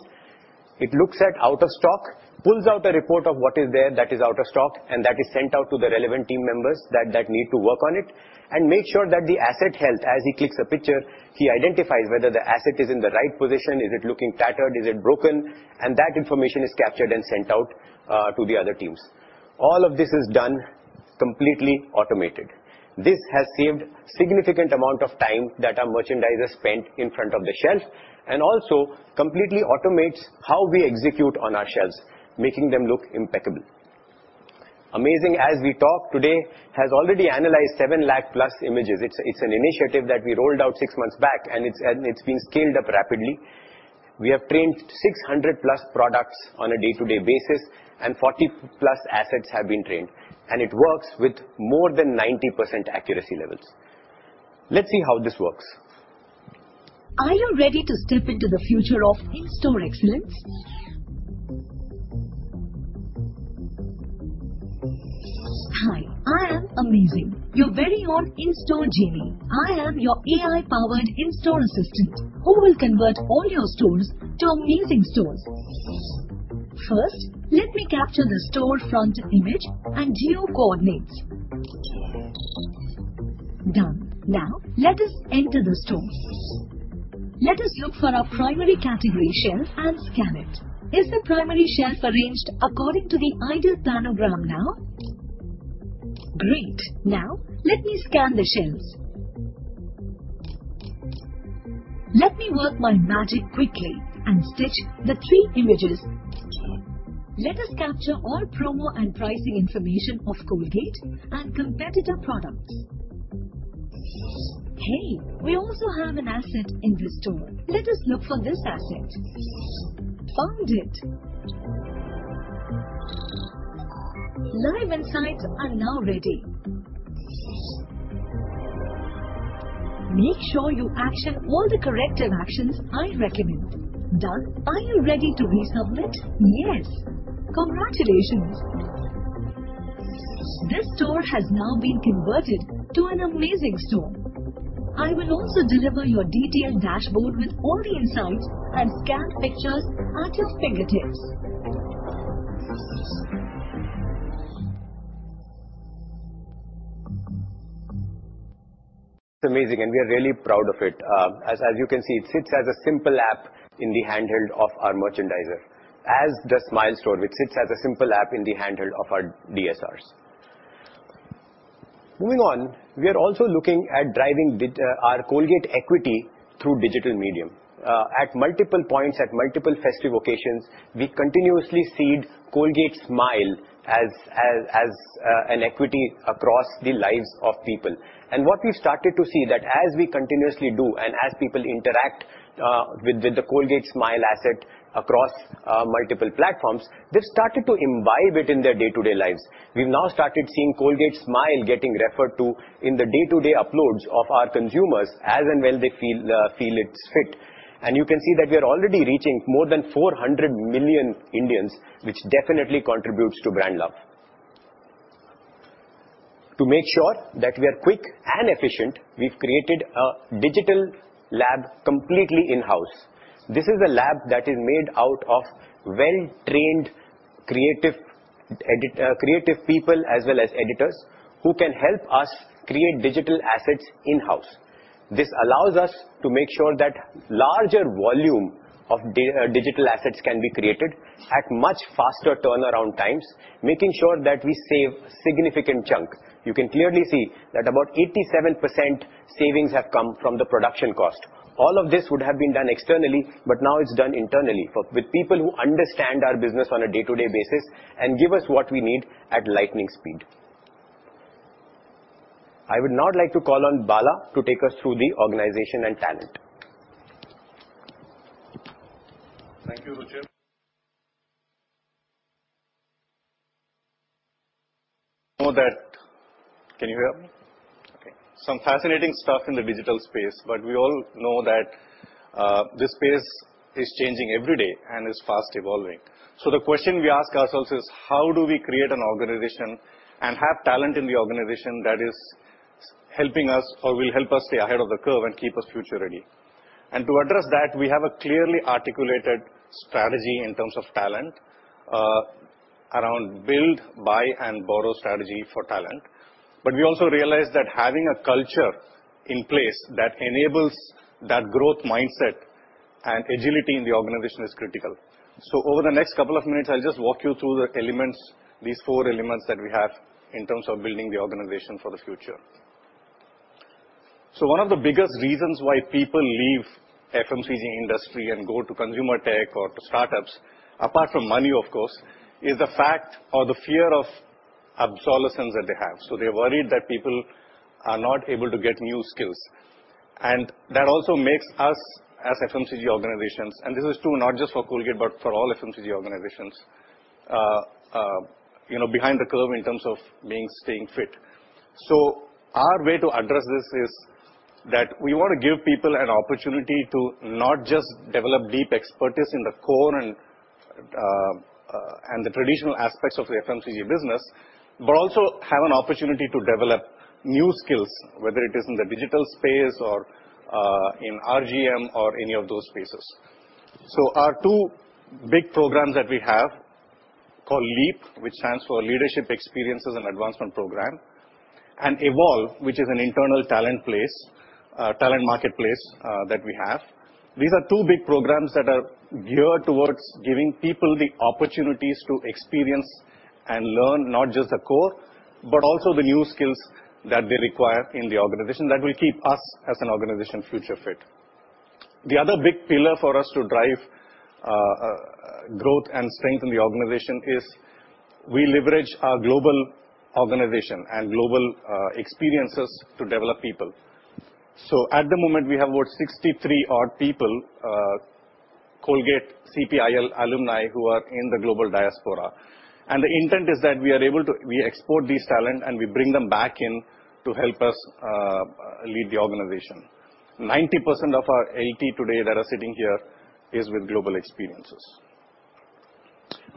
It looks at out of stock, pulls out a report of what is there that is out of stock, that is sent out to the relevant team members that need to work on it and make sure that the asset health as he clicks a picture, he identifies whether the asset is in the right position. Is it looking tattered? Is it broken? That information is captured and sent out to the other teams. All of this is done completely automated. This has saved significant amount of time that our merchandisers spent in front of the shelf, also completely automates how we execute on our shelves, making them look impeccable. Amazing, as we talk today, has already analyzed 7 lakh plus images. It's an initiative that we rolled out six months back, it's been scaled up rapidly. We have trained 600+ products on a day-to-day basis, and 40+ assets have been trained, and it works with more than 90% accuracy levels. Let's see how this works. Are you ready to step into the future of in-store excellence? Hi, I am Amazing, your very own in-store genie. I am your AI-powered in-store assistant who will convert all your stores to amazing stores. First, let me capture the store front image and geo coordinates. Done. Now, let us enter the store. Let us look for our primary category shelf and scan it. Is the primary shelf arranged according to the ideal planogram now? Great. Now let me scan the shelves. Let me work my magic quickly and stitch the three images. Let us capture all promo and pricing information of Colgate and competitor products. Hey, we also have an asset in this store. Let us look for this asset. Found it. Live insights are now ready. Make sure you action all the corrective actions I recommend. Done. Are you ready to resubmit? Yes. Congratulations. This store has now been converted to an Amazing store. I will also deliver your detailed dashboard with all the insights and scanned pictures at your fingertips. It's Amazing, and we are really proud of it. As you can see, it sits as a simple app in the handheld of our merchandiser. As does Smile Store, which sits as a simple app in the handheld of our DSRs. Moving on, we are also looking at driving our Colgate equity through digital medium. At multiple points, at multiple festive occasions, we continuously seed Colgate Smile as an equity across the lives of people. What we started to see that as we continuously do and as people interact with the Colgate Smile asset across multiple platforms, they've started to imbibe it in their day-to-day lives. We've now started seeing Colgate Smile getting referred to in the day-to-day uploads of our consumers as and when they feel it's fit. You can see that we are already reaching more than 400 million Indians, which definitely contributes to brand love. To make sure that we are quick and efficient, we've created a digital lab completely in-house. This is a lab that is made out of well-trained creative people as well as editors who can help us create digital assets in-house. This allows us to make sure that larger volume of digital assets can be created at much faster turnaround times, making sure that we save significant chunk. You can clearly see that about 87% savings have come from the production cost. All of this would have been done externally, but now it's done internally with people who understand our business on a day-to-day basis and give us what we need at lightning speed. I would now like to call on Bala to take us through the organization and talent. Thank you, Ruchir. Know that. Can you hear me? Okay. Some fascinating stuff in the digital space, but we all know that. This space is changing every day and is fast evolving. The question we ask ourselves is: how do we create an organization and have talent in the organization that is helping us or will help us stay ahead of the curve and keep us future-ready? To address that, we have a clearly articulated strategy in terms of talent around build, buy, and borrow strategy for talent. We also realize that having a culture in place that enables that growth mindset and agility in the organization is critical. Over the next couple of minutes, I'll just walk you through the elements, these four elements that we have in terms of building the organization for the future. One of the biggest reasons why people leave FMCG industry and go to consumer tech or to startups, apart from money, of course, is the fact or the fear of obsolescence that they have. They're worried that people are not able to get new skills. That also makes us as FMCG organizations, and this is true not just for Colgate, but for all FMCG organizations, you know, behind the curve in terms of staying fit. Our way to address this is that we wanna give people an opportunity to not just develop deep expertise in the core and the traditional aspects of the FMCG business, but also have an opportunity to develop new skills, whether it is in the digital space or in RGM or any of those spaces. Our two big programs that we have, called LEAP, which stands for Leadership Experiences and Advancement Program, and EVOLVE, which is an internal talent marketplace that we have. These are two big programs that are geared towards giving people the opportunities to experience and learn not just the core, but also the new skills that they require in the organization that will keep us as an organization future fit. The other big pillar for us to drive growth and strength in the organization is we leverage our global organization and global experiences to develop people. At the moment, we have over 63 odd people, Colgate CPIL alumni who are in the global diaspora. The intent is that we export these talent and we bring them back in to help us lead the organization. 90% of our LT today that are sitting here is with global experiences.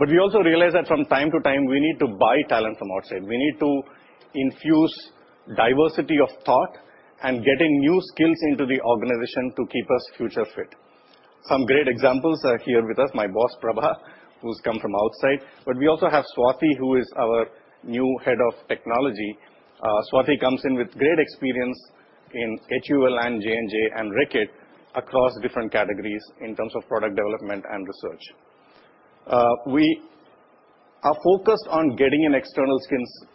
We also realize that from time to time, we need to buy talent from outside. We need to infuse diversity of thought and getting new skills into the organization to keep us future fit. Some great examples are here with us, my boss, Prabha, who's come from outside, but we also have Swati, who is our new head of technology. Swati comes in with great experience in HUL and J&J and Reckitt across different categories in terms of product development and research. We are focused on getting in external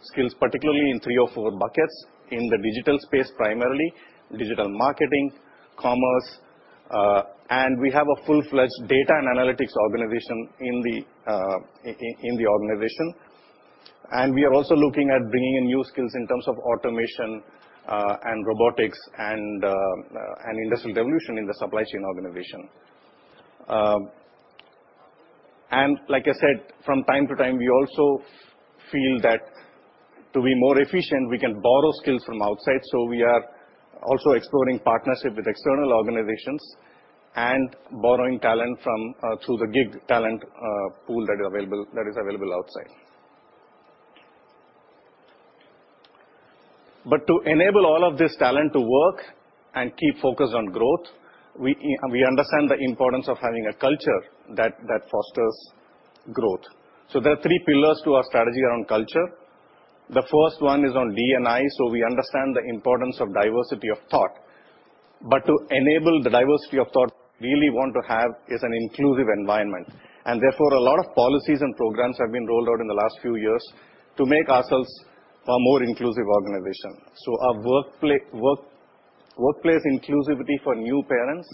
skills, particularly in three or four buckets in the digital space, primarily digital marketing, commerce, and we have a full-fledged data and analytics organization in the organization. We are also looking at bringing in new skills in terms of automation, and robotics, and industrial revolution in the supply chain organization. Like I said, from time to time, we also feel that to be more efficient, we can borrow skills from outside. We are also exploring partnership with external organizations and borrowing talent from through the gig talent pool that is available outside. To enable all of this talent to work and keep focused on growth, we understand the importance of having a culture that fosters growth. There are three pillars to our strategy around culture. The first one is on D&I. We understand the importance of diversity of thought. To enable the diversity of thought we really want to have is an inclusive environment. Therefore, a lot of policies and programs have been rolled out in the last few years to make ourselves a more inclusive organization. Our workplace inclusivity for new parents,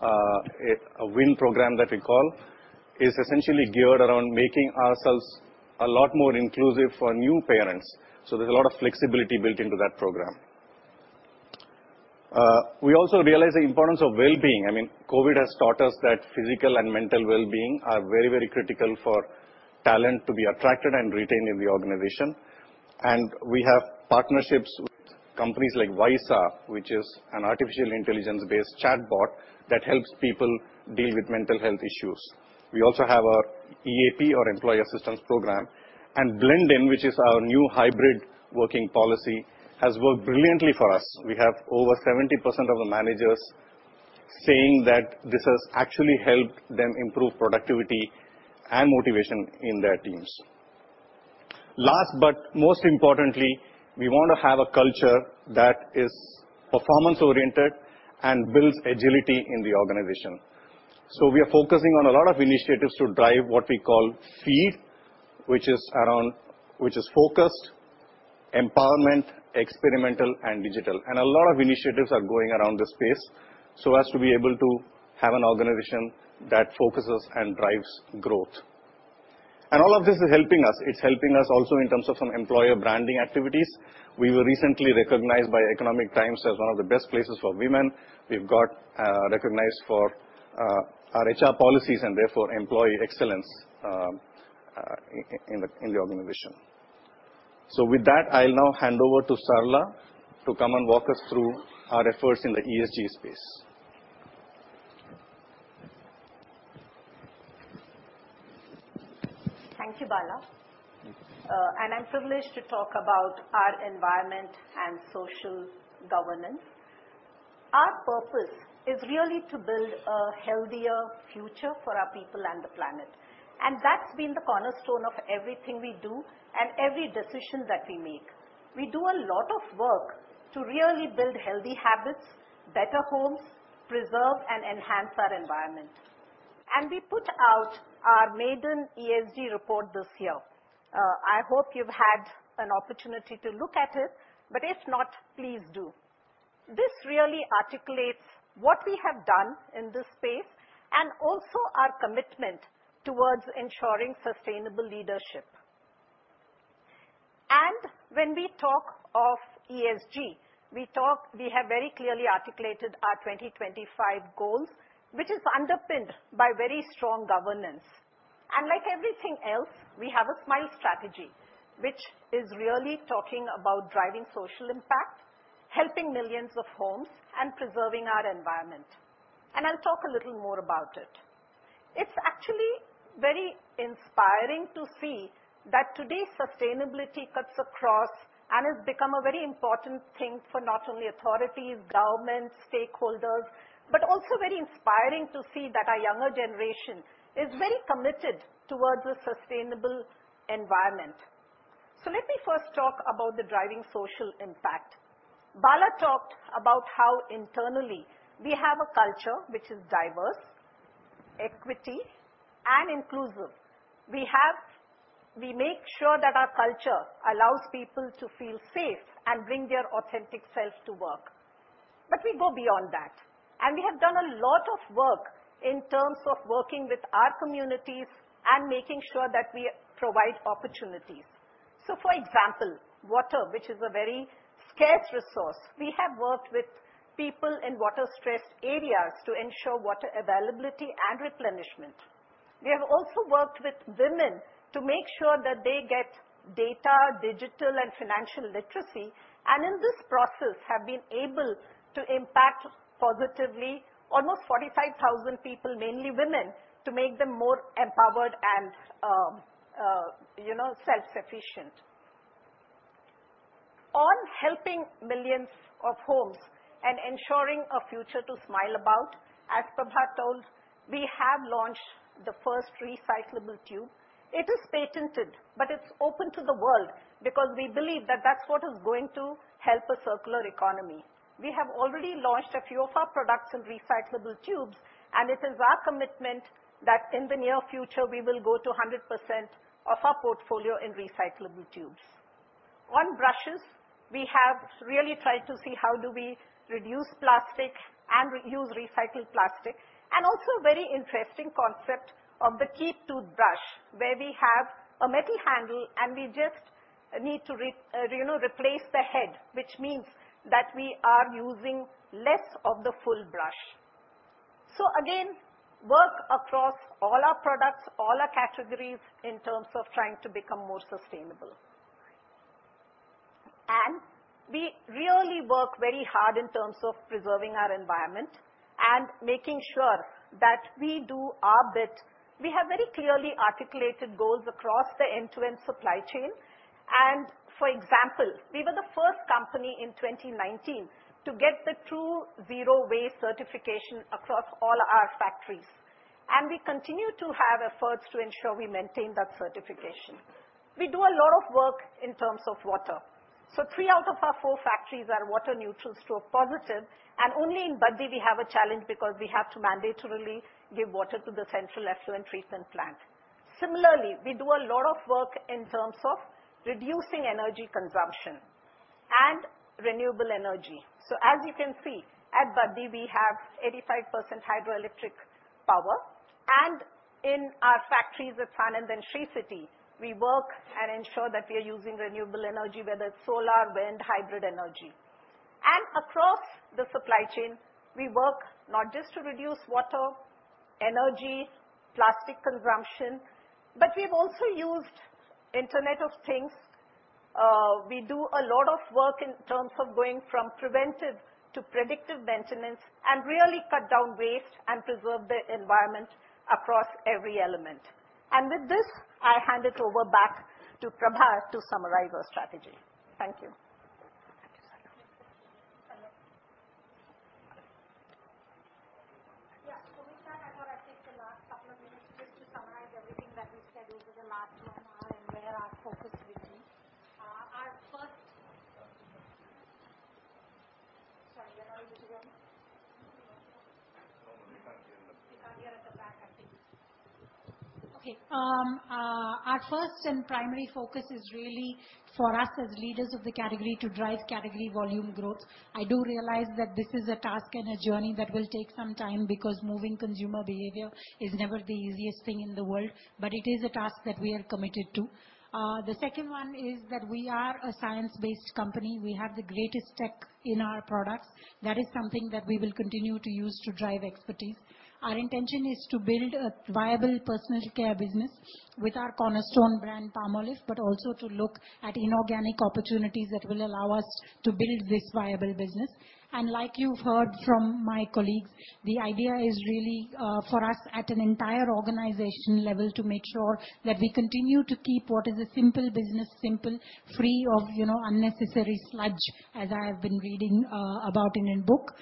a WIN program that we call, is essentially geared around making ourselves a lot more inclusive for new parents. There's a lot of flexibility built into that program. We also realize the importance of wellbeing. I mean, COVID has taught us that physical and mental wellbeing are very, very critical for talent to be attracted and retained in the organization. We have partnerships with companies like Wysa, which is an artificial intelligence-based chatbot that helps people deal with mental health issues. We also have our EAP or employee assistance program, and Blend In, which is our new hybrid working policy, has worked brilliantly for us. We have over 70% of the managers saying that this has actually helped them improve productivity and motivation in their teams. Last, but most importantly, we want to have a culture that is performance-oriented and builds agility in the organization. We are focusing on a lot of initiatives to drive what we call FEED, which is focused, empowerment, experimental, and digital. A lot of initiatives are going around this space so as to be able to have an organization that focuses and drives growth. All of this is helping us. It's helping us also in terms of some employer branding activities. We were recently recognized by The Economic Times as one of the best places for women. We've got recognized for our HR policies and therefore employee excellence in the organization. With that, I'll now hand over to Sarla to come and walk us through our efforts in the ESG space. Thank you, Bala. I'm privileged to talk about our environment and social governance. Our purpose is really to build a healthier future for our people and the planet, and that's been the cornerstone of everything we do and every decision that we make. We do a lot of work to really build healthy habits, better homes, preserve and enhance our environment. We put out our maiden ESG report this year. I hope you've had an opportunity to look at it, but if not, please do. This really articulates what we have done in this space and also our commitment towards ensuring sustainable leadership. When we talk of ESG, we have very clearly articulated our 2025 goals, which is underpinned by very strong governance. Like everything else, we have a Smile strategy, which is really talking about driving social impact, helping millions of homes and preserving our environment. I'll talk a little more about it. It's actually very inspiring to see that today, sustainability cuts across and has become a very important thing for not only authorities, governments, stakeholders, but also very inspiring to see that our younger generation is very committed towards a sustainable environment. Let me first talk about the driving social impact. Bala talked about how internally we have a culture which is diverse, equity and inclusive. We make sure that our culture allows people to feel safe and bring their authentic self to work. We go beyond that. We have done a lot of work in terms of working with our communities and making sure that we provide opportunities. For example, water, which is a very scarce resource, we have worked with people in water-stressed areas to ensure water availability and replenishment. We have also worked with women to make sure that they get data, digital and financial literacy, and in this process have been able to impact positively almost 45,000 people, mainly women, to make them more empowered and, you know, self-sufficient. On helping millions of homes and ensuring a future to smile about, as Prabha told, we have launched the first recyclable tube. It is patented, but it's open to the world because we believe that that's what is going to help a circular economy. We have already launched a few of our products in recyclable tubes, and it is our commitment that in the near future we will go to 100% of our portfolio in recyclable tubes. On brushes, we have really tried to see how do we reduce plastic and use recycled plastic and also very interesting concept of the Colgate Keep toothbrush, where we have a metal handle and we just need to, you know, replace the head, which means that we are using less of the full brush. Again, work across all our products, all our categories in terms of trying to become more sustainable. We really work very hard in terms of preserving our environment and making sure that we do our bit. We have very clearly articulated goals across the end-to-end supply chain. For example, we were the first company in 2019 to get the TRUE Zero Waste certification across all our factories. We continue to have efforts to ensure we maintain that certification. We do a lot of work in terms of water. Three out of our four factories are water neutral to a positive, and only in Baddi we have a challenge because we have to mandatorily give water to the central effluent treatment plant. Similarly, we do a lot of work in terms of reducing energy consumption and renewable energy. As you can see, at Baddi we have 85% hydroelectric power, and in our factories at Sanand and Sri City, we work and ensure that we are using renewable energy, whether it's solar, wind, hybrid energy. Across the supply chain, we work not just to reduce water, energy, plastic consumption, but we've also used Internet of Things. We do a lot of work in terms of going from preventive to predictive maintenance and really cut down waste and preserve the environment across every element. With this, I hand it over back to Prabha to summarize our strategy. Thank you. Thank you, Sarala. Yeah. We thought I would take the last couple of minutes just to summarize everything that we said over the last one hour and where our focus will be. Sorry, say that again. No, repeat again. Yeah, the back, I think. Our first and primary focus is really for us as leaders of the category to drive category volume growth. I do realize that this is a task and a journey that will take some time, because moving consumer behavior is never the easiest thing in the world, but it is a task that we are committed to. The second one is that we are a science-based company. We have the greatest tech in our products. That is something that we will continue to use to drive expertise. Our intention is to build a viable personal care business with our cornerstone brand, Palmolive, but also to look at inorganic opportunities that will allow us to build this viable business. Like you've heard from my colleagues, the idea is really, for us at an entire organization level, to make sure that we continue to keep what is a simple business simple, free of, you know, unnecessary sludge, as I have been reading, about in a book.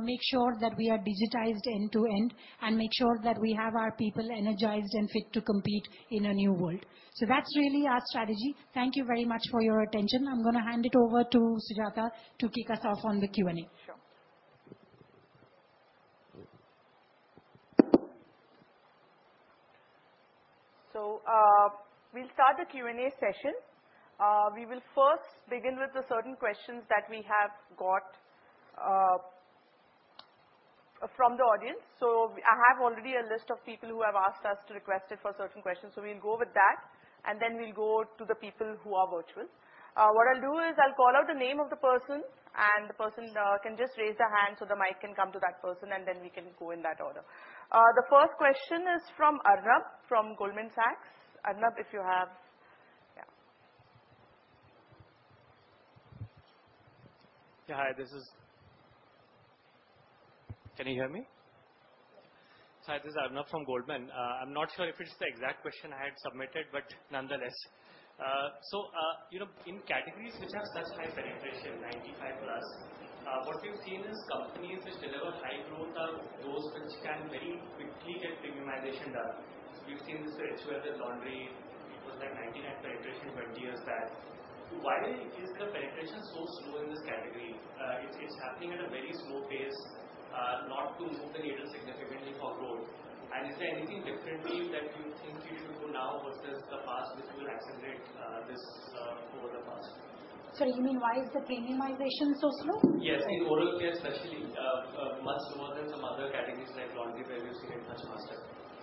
Make sure that we are digitized end to end, and make sure that we have our people energized and fit to compete in a new world. That's really our strategy. Thank you very much for your attention. I'm gonna hand it over to Sujata to kick us off on the Q&A. Sure. We'll start the Q&A session. We will first begin with the certain questions that we have got from the audience. I have already a list of people who have asked us to request it for certain questions, we'll go with that, we'll go to the people who are virtual. What I'll do is I'll call out the name of the person, the person can just raise their hand so the mic can come to that person, we can go in that order. The first question is from Arnab from Goldman Sachs. Arnab, Yeah. Yeah. Can you hear me? Hi, this is Arnab from Goldman Sachs. I'm not sure if it's the exact question I had submitted, but nonetheless. You know, in categories which have such high penetration, 95+, what we've seen is companies which deliver high growth are those which can very quickly get premiumization done. We've seen this with laundry. It was like 99 penetration 20 years back. Why is the penetration so slow in this category? It's happening at a very slow pace, not to move the needle significantly for growth. Is there anything differently that you think you should do now versus the past which will accelerate this over the past? Sorry, you mean why is the premiumization so slow? Yes. In oral care especially, much slower than some other categories like laundry, where we've seen it much faster.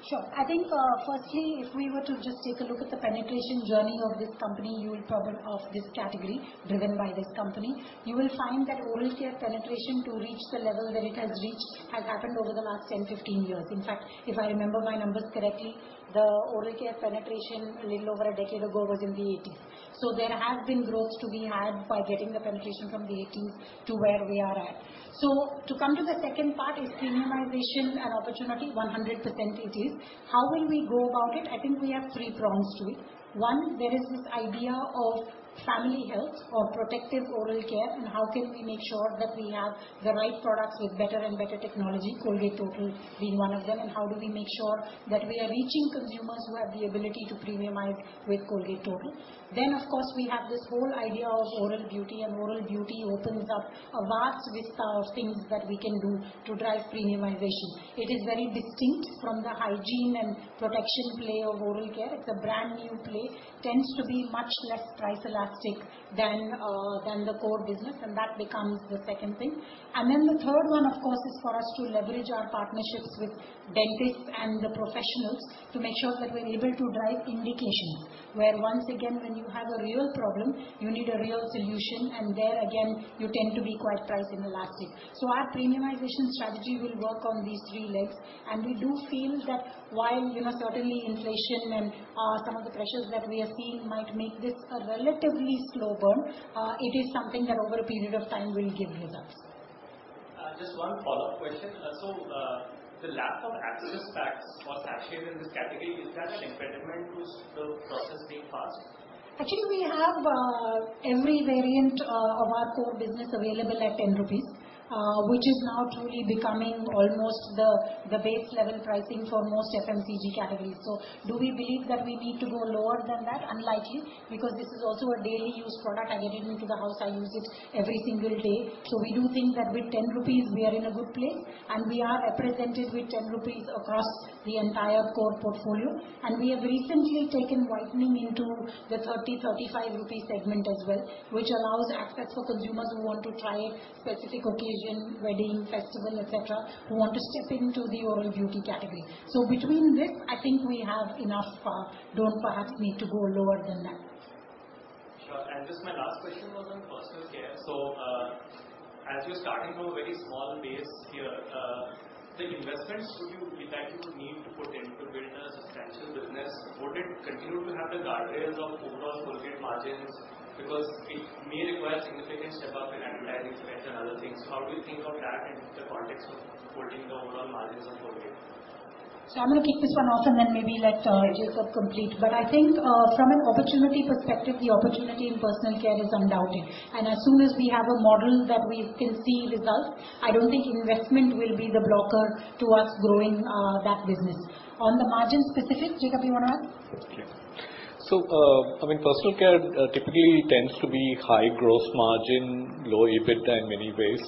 Sure. I think, firstly, if we were to just take a look at the penetration journey of this company, of this category driven by this company, you will find that oral care penetration to reach the level that it has reached has happened over the last 10, 15 years. In fact, if I remember my numbers correctly, the oral care penetration a little over a decade ago was in the 80s. There has been growth to be had by getting the penetration from the 80s to where we are at. To come to the second part, is premiumization an opportunity? 100% it is. How will we go about it? I think we have three prongs to it. One, there is this idea of family health or protective oral care, and how can we make sure that we have the right products with better and better technology, Colgate Total being one of them, and how do we make sure that we are reaching consumers who have the ability to premiumize with Colgate Total? Of course, we have this whole idea of oral beauty, and oral beauty opens up a vast vista of things that we can do to drive premiumization. It is very distinct from the hygiene and protection play of oral care. It's a brand-new play. Tends to be much less price elastic than the core business, and that becomes the second thing. The third one, of course, is for us to leverage our partnerships with dentists and the professionals to make sure that we're able to drive indication, where once again, when you have a real problem, you need a real solution, and there again, you tend to be quite price inelastic. Our premiumization strategy will work on these three legs, and we do feel that while, you know, certainly inflation and some of the pressures that we are seeing might make this a relatively slow burn, it is something that over a period of time will give results. Just one follow-up question. The lack of access packs or sachets in this category, is that an impediment to the process being fast? Actually, we have every variant of our core business available at 10 rupees, which is now truly becoming almost the base level pricing for most FMCG categories. Do we believe that we need to go lower than that? Unlikely, because this is also a daily use product. I get into the house, I use it every single day. We do think that with 10 rupees we are in a good place, and we are represented with 10 rupees across the entire core portfolio. We have recently taken Whitening into the 30-35 rupee segment as well, which allows access for consumers who want to try specific occasion, wedding, festival, et cetera, who want to step into the oral beauty category. Between this, I think we have enough, don't perhaps need to go lower than that. Sure. Just my last question was on personal care. As you're starting from a very small base here, the investments that you would need to put in to build a substantial business, would it continue to have the guardrails of overall Colgate margins? It may require significant step up in advertising spend and other things. How do you think of that in the context of holding the overall margins of Colgate? I'm gonna kick this one off and then maybe let Jacob complete. I think, from an opportunity perspective, the opportunity in personal care is undoubted. As soon as we have a model that we can see results, I don't think investment will be the blocker towards growing that business. On the margin specifics, Jacob, you wanna take? I mean, personal care, typically tends to be high gross margin, low EBIT in many ways,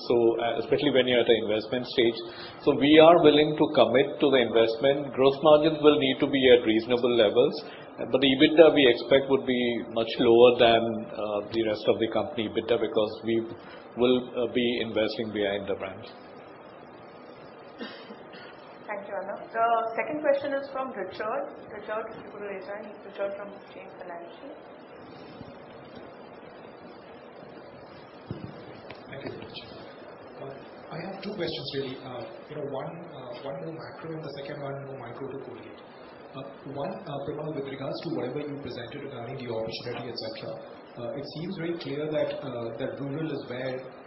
especially when you're at the investment stage. We are willing to commit to the investment. Gross margins will need to be at reasonable levels, but the EBITDA we expect would be much lower than the rest of the company EBITDA because we will be investing behind the brands. Thank you, Arnab. The second question is from Richard. Richard, if you could raise your hand. Richard from Jefferies Financial. Thank you very much. I have two questions really. You know, one little macro and the second one more micro to Colgate. One, Prabha, with regards to whatever you presented regarding the opportunity, et cetera, it seems very clear that rural is where, you know, the, the volume growth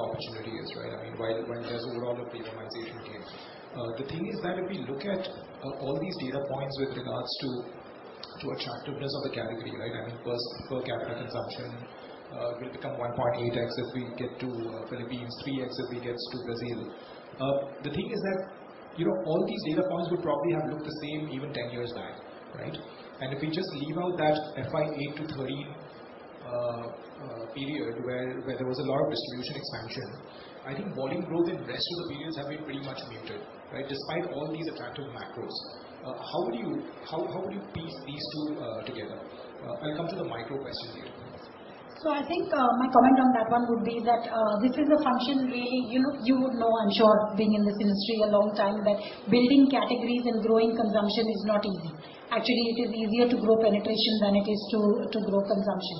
opportunity is, right? I mean, while when there's a lot of penetration gains. The thing is that if we look at all these data points with regards to attractiveness of the category, right? I mean, per capita consumption will become 1.8x if we get to Philippines, 3X if we get to Brazil. The thing is that, you know, all these data points would probably have looked the same even 10 years back, right? If you just leave out that FY 2008-2013 period where there was a lot of distribution expansion, I think volume growth in rest of the periods have been pretty much muted, right? Despite all these attractive macros. How would you piece these two together? I'll come to the micro question later. I think, my comment on that one would be that, this is a function really, you know, you would know, I'm sure, being in this industry a long time, that building categories and growing consumption is not easy. Actually, it is easier to grow penetration than it is to grow consumption.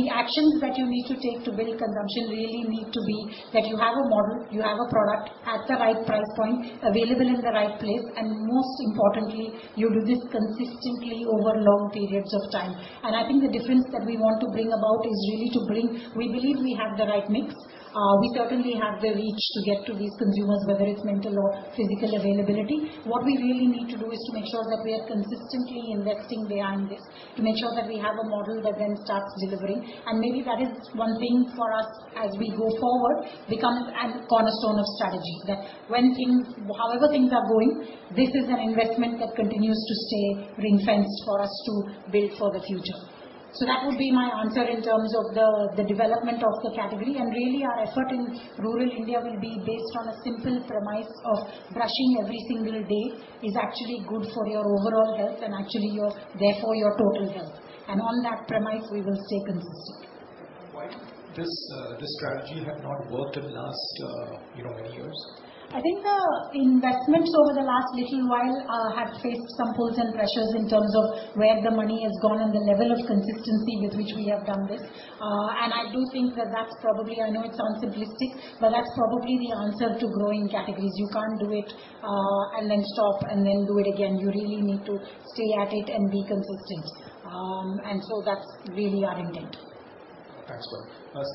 The actions that you need to take to build consumption really need to be that you have a model, you have a product at the right price point available in the right place, and most importantly, you do this consistently over long periods of time. I think the difference that we want to bring about is really to bring... We believe we have the right mix. We certainly have the reach to get to these consumers, whether it's mental or physical availability. What we really need to do is to make sure that we are consistently investing behind this to make sure that we have a model that then starts delivering. Maybe that is one thing for us as we go forward, becomes a cornerstone of strategy. However things are going, this is an investment that continues to stay ring-fenced for us to build for the future. That would be my answer in terms of the development of the category. Really our effort in rural India will be based on a simple premise of brushing every single day is actually good for your overall health and actually your, therefore your total health. On that premise, we will stay consistent. Why this strategy have not worked in last, you know, many years? I think the investments over the last little while have faced some pulls and pressures in terms of where the money has gone and the level of consistency with which we have done this. I do think that that's probably, I know it sounds simplistic, but that's probably the answer to growing categories. You can't do it and then stop and then do it again. You really need to stay at it and be consistent. That's really our intent. Thanks.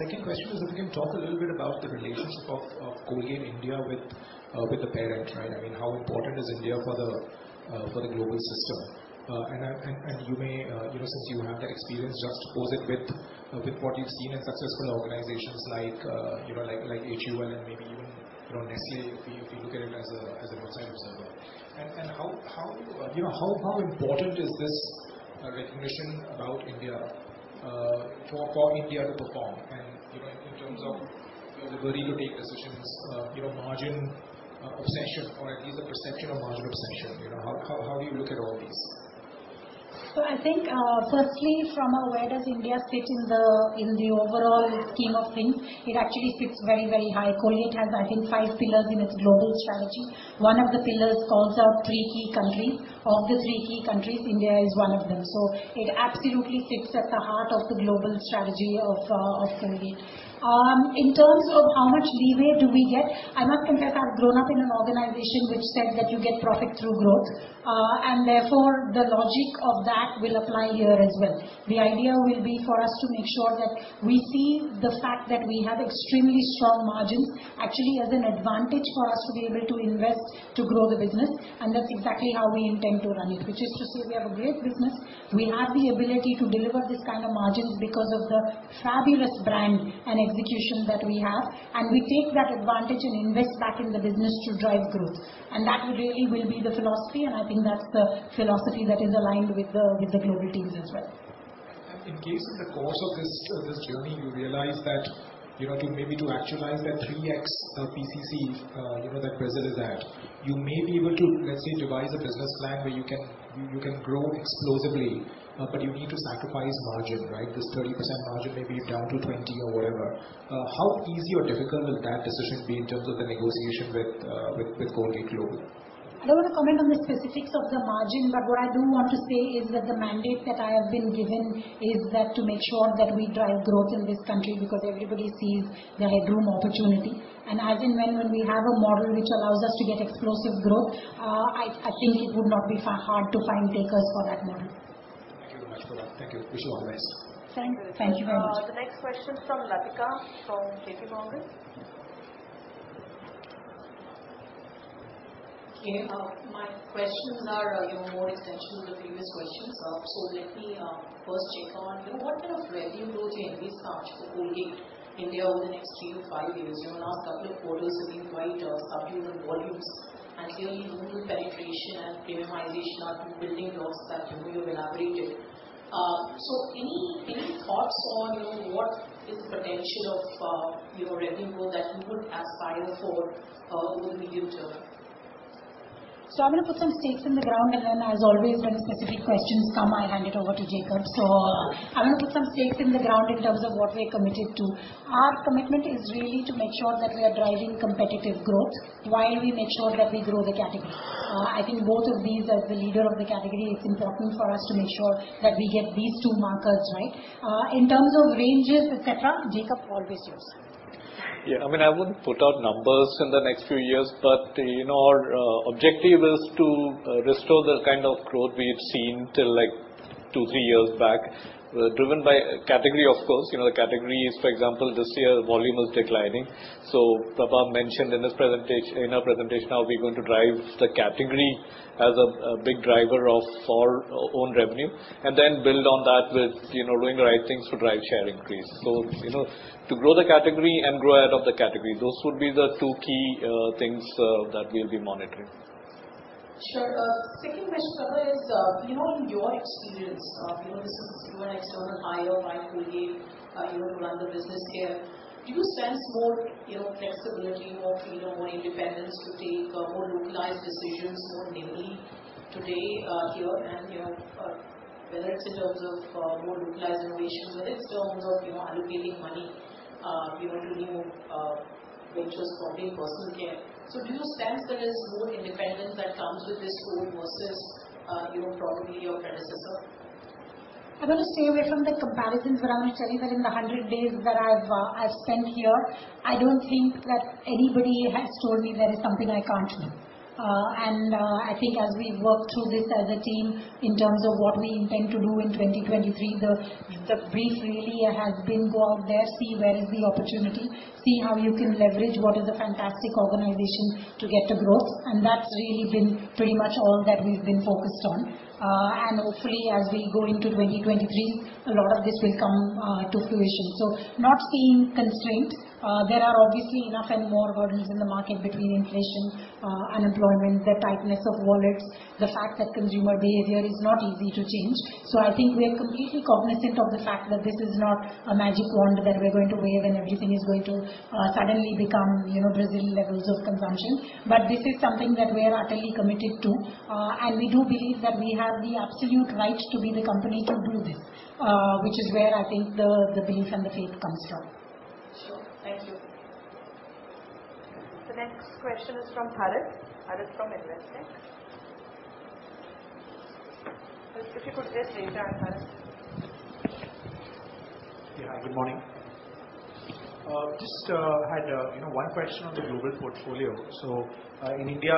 second question is if you can talk a little bit about the relationship of Colgate India with the parent, right? I mean, how important is India for the global system? and you may, you know, since you have the experience, just pose it with what you've seen in successful organizations like HUL and maybe even, you know, Nestlé, if you, if you look at it as an outside observer. How important is this recognition about India, for India to perform and, you know, in terms of the ability to take decisions, you know, margin obsession or at least the perception of margin obsession, you know? How do you look at all these? I think, firstly from a where does India fit in the, in the overall scheme of things, it actually sits very, very high. Colgate has I think five pillars in its global strategy. One of the pillars calls out three key countries. Of the three key countries, India is one of them. It absolutely sits at the heart of the global strategy of Colgate. In terms of how much leeway do we get, I must confess, in fact I've grown up in an organization which said that you get profit through growth, and therefore the logic of that will apply here as well. The idea will be for us to make sure that we see the fact that we have extremely strong margins actually as an advantage for us to be able to invest to grow the business. That's exactly how we intend to run it, which is to say we have a great business. We have the ability to deliver this kind of margins because of the fabulous brand and execution that we have, and we take that advantage and invest back in the business to drive growth. That really will be the philosophy, and I think that's the philosophy that is aligned with the, with the global teams as well. In case in the course of this journey, you realize that, you know, to actualize that 3X PCC, you know, that Brazil is at, you may be able to, let's say, devise a business plan where you can grow explosively, but you need to sacrifice margin, right? This 30% margin may be down to 20% or whatever. How easy or difficult will that decision be in terms of the negotiation with Colgate global? I don't wanna comment on the specifics of the margin, but what I do want to say is that the mandate that I have been given is that to make sure that we drive growth in this country because everybody sees the headroom opportunity. As and when we have a model which allows us to get explosive growth, I think it would not be hard to find takers for that model. Thank you very much, Prabha. Thank you. Wish you all the best. Thank you very much. The next question from Latika from JP Morgan. Okay. My questions are, you know, more extension to the previous questions. Let me first check on, you know, what kind of revenue growth you envisage for Colgate India over the next three to five years? You know, last couple of quarters have been quite subdued on volume growth. Clearly rural penetration and premiumization are building blocks that, you know, you have elaborated. So any thoughts on, you know, what is the potential of, you know, revenue growth that you would aspire for, over the medium term? I'm gonna put some stakes in the ground, and then as always, when specific questions come, I hand it over to Jacob. I'm gonna put some stakes in the ground in terms of what we're committed to. Our commitment is really to make sure that we are driving competitive growth while we make sure that we grow the category. I think both of these, as the leader of the category, it's important for us to make sure that we get these two markers, right. In terms of ranges, et cetera, Jacob, always yours. I mean, I wouldn't put out numbers in the next few years, but, you know, our objective is to restore the kind of growth we've seen till like two, three years back, driven by category of course. You know, the category is, for example, this year volume is declining. Prabha mentioned in her presentation how we're going to drive the category as a big driver of our own revenue and then build on that with, you know, doing the right things to drive share increase. You know, to grow the category and grow out of the category, those would be the two key things that we'll be monitoring. Sure. Second question, Prabha, is, you know, in your experience, you know, this is, you know, an external hire by Colgate, you know, to run the business here. Do you sense more, you know, flexibility, more freedom, more independence to take more localized decisions on maybe today, here and, you know, whether it's in terms of more localized innovations, whether it's in terms of, you know, allocating money, you know, to new ventures for personal care. Do you sense there is more independence that comes with this role versus, you know, probably your predecessor? I'm gonna stay away from the comparisons, I'm gonna tell you that in the 100 days that I've spent here, I don't think that anybody has told me there is something I can't do. I think as we work through this as a team in terms of what we intend to do in 2023, the brief really has been go out there, see where is the opportunity, see how you can leverage what is a fantastic organization to get to growth. That's really been pretty much all that we've been focused on. Hopefully as we go into 2023, a lot of this will come to fruition. Not seeing constraint. There are obviously enough and more hurdles in the market between inflation, unemployment, the tightness of wallets, the fact that consumer behavior is not easy to change. I think we are completely cognizant of the fact that this is not a magic wand that we're going to wave and everything is going to suddenly become, you know, Brazil levels of consumption. This is something that we are utterly committed to. We do believe that we have the absolute right to be the company to do this, which is where I think the belief and the faith comes from. Sure. Thank you. The next question is from. [AUDIO DISTORTION] If you could just stay down, Bharat. Yeah. Good morning. Just had, you know, one question on the global portfolio. In India,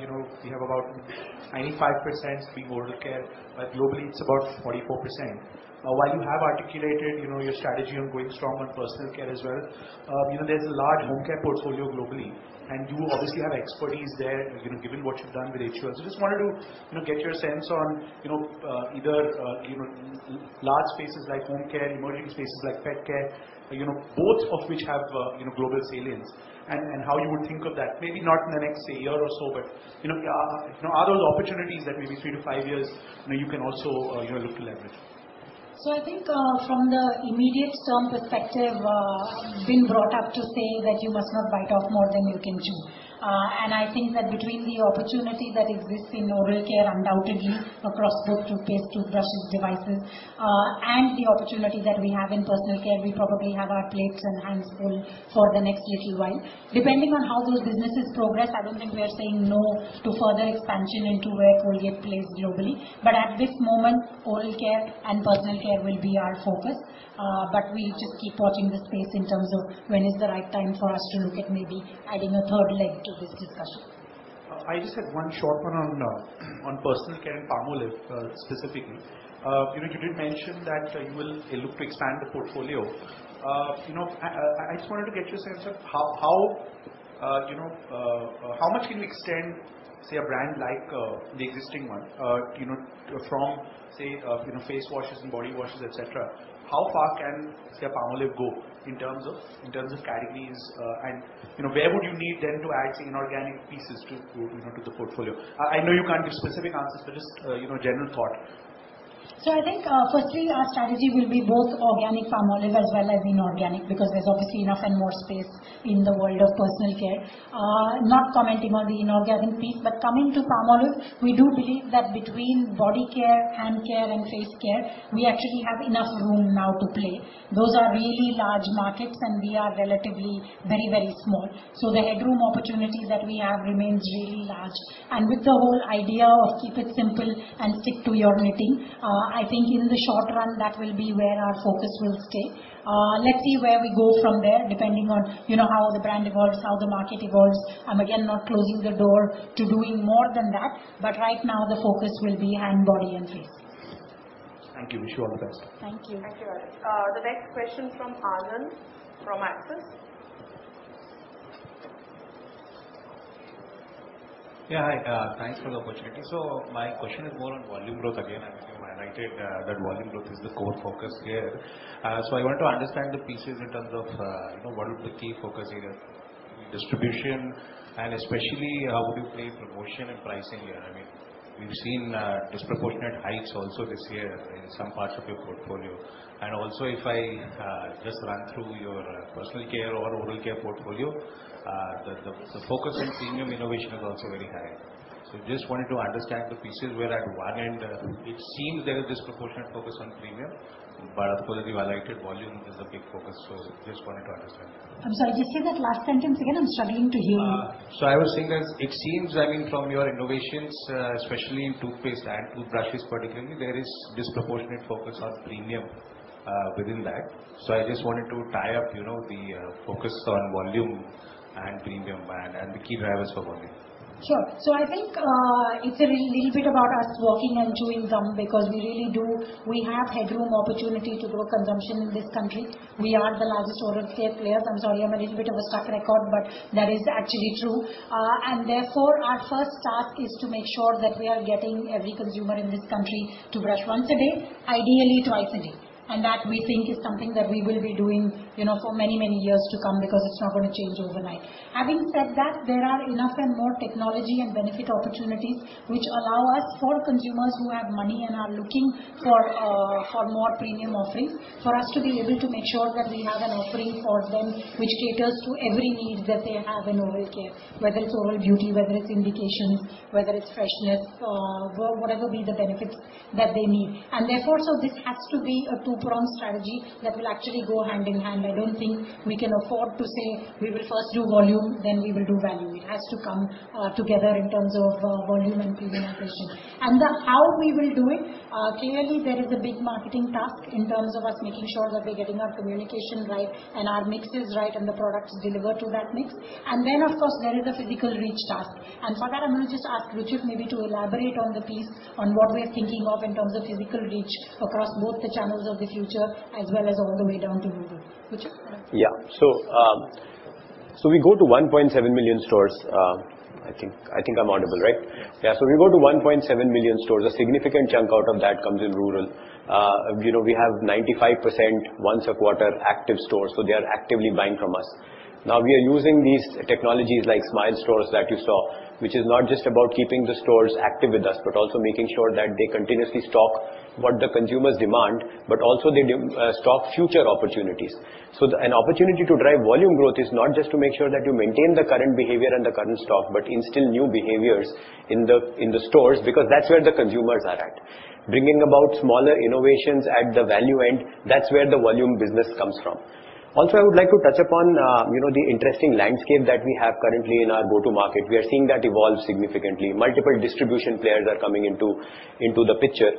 you know, we have about 95% being oral care. Globally it's about 44%. While you have articulated, you know, your strategy on going strong on personal care as well, you know, there's a large home care portfolio globally, and you obviously have expertise there, you know, given what you've done with HUL. Just wanted to, you know, get your sense on, you know, either, you know, large spaces like home care, emerging spaces like pet care, you know, both of which have, you know, global salience and how you would think of that? Maybe not in the next, say, year or so, but, you know, are those opportunities that maybe three to five years, you know, you can also, you know, look to leverage? I think, from the immediate term perspective, been brought up to say that you must not bite off more than you can chew. I think that between the opportunity that exists in oral care undoubtedly across tooth, toothpaste, toothbrushes, devices, and the opportunity that we have in personal care, we probably have our plates and hands full for the next little while. Depending on how those businesses progress, I don't think we are saying no to further expansion into where Colgate plays globally. At this moment, oral care and personal care will be our focus. We'll just keep watching the space in terms of when is the right time for us to look at maybe adding a third leg to this discussion. I just had one short one on personal care and Palmolive specifically. You know, you did mention that you will look to expand the portfolio. You know, I just wanted to get your sense of how, you know, how much can you extend, say, a brand like the existing one, you know, from, say, face washes and body washes, et cetera. How far can, say, a Palmolive go in terms of categories? You know, where would you need then to add, say, inorganic pieces to, you know, to the portfolio? I know you can't give specific answers, but just, you know, general thought. I think, firstly our strategy will be both organic Palmolive as well as inorganic, because there's obviously enough and more space in the world of personal care. Not commenting on the inorganic piece, but coming to Palmolive, we do believe that between body care, hand care and face care, we actually have enough room now to play. Those are really large markets, and we are relatively very, very small. The headroom opportunities that we have remains really large. With the whole idea of keep it simple and stick to your knitting, I think in the short run that will be where our focus will stay. Let's see where we go from there, depending on, you know, how the brand evolves, how the market evolves. I'm again not closing the door to doing more than that. Right now the focus will be hand, body and face. Thank you. Wish you all the best. Thank you. Thank you, Bharat. The next question from Anand from Axis. Yeah. Hi. Thanks for the opportunity. My question is more on volume growth again. I think I liked it, that volume growth is the core focus here. I want to understand the pieces in terms of, you know, what would be key focus areas? Distribution, especially how would you play promotion and pricing here? I mean, we've seen disproportionate hikes also this year in some parts of your portfolio. Also, if I just run through your personal care or oral care portfolio, the focus on premium innovation is also very high. Just wanted to understand the pieces where at one end it seems there is disproportionate focus on premium, but Aparna, you highlighted volume is a big focus. Just wanted to understand that. I'm sorry. Just say that last sentence again. I'm struggling to hear you. I was saying that it seems, I mean, from your innovations, especially in toothpaste and toothbrushes particularly, there is disproportionate focus on premium, within that. I just wanted to tie up, you know, the focus on volume and premium and the key drivers for volume. Sure. I think it's a little bit about us walking and chewing gum because we have headroom opportunity to grow consumption in this country. We are the largest oral care players. I'm sorry, I'm a little bit of a stuck record, but that is actually true. Therefore, our first task is to make sure that we are getting every consumer in this country to brush once a day, ideally twice a day. That we think is something that we will be doing, you know, for many, many years to come because it's not gonna change overnight. Having said that, there are enough and more technology and benefit opportunities which allow us, for consumers who have money and are looking for more premium offerings, for us to be able to make sure that we have an offering for them which caters to every need that they have in oral care, whether it's oral beauty, whether it's indications, whether it's freshness, whatever be the benefits that they need. This has to be a two-pronged strategy that will actually go hand in hand. I don't think we can afford to say we will first do volume, then we will do value. It has to come, together in terms of, volume and premiumization. The how we will do it, clearly there is a big marketing task in terms of us making sure that we're getting our communication right and our mix is right and the product is delivered to that mix. Then, of course, there is the physical reach task. For that, I'm gonna just ask Ruchir maybe to elaborate on the piece on what we're thinking of in terms of physical reach across both the channels of the future as well as all the way down to rural. Ruchir? Yeah. We go to 1.7 million stores. I think I'm audible, right? Yes. Yeah. We go to 1.7 million stores. A significant chunk out of that comes in rural. You know, we have 95% once a quarter active stores, so they are actively buying from us. Now, we are using these technologies like Smile Stores that you saw, which is not just about keeping the stores active with us, but also making sure that they continuously stock what the consumers demand, but also they do stock future opportunities. An opportunity to drive volume growth is not just to make sure that you maintain the current behavior and the current stock, but instill new behaviors in the stores because that's where the consumers are at. Bringing about smaller innovations at the value end, that's where the volume business comes from. I would like to touch upon, you know, the interesting landscape that we have currently in our go-to-market. We are seeing that evolve significantly. Multiple distribution players are coming into the picture.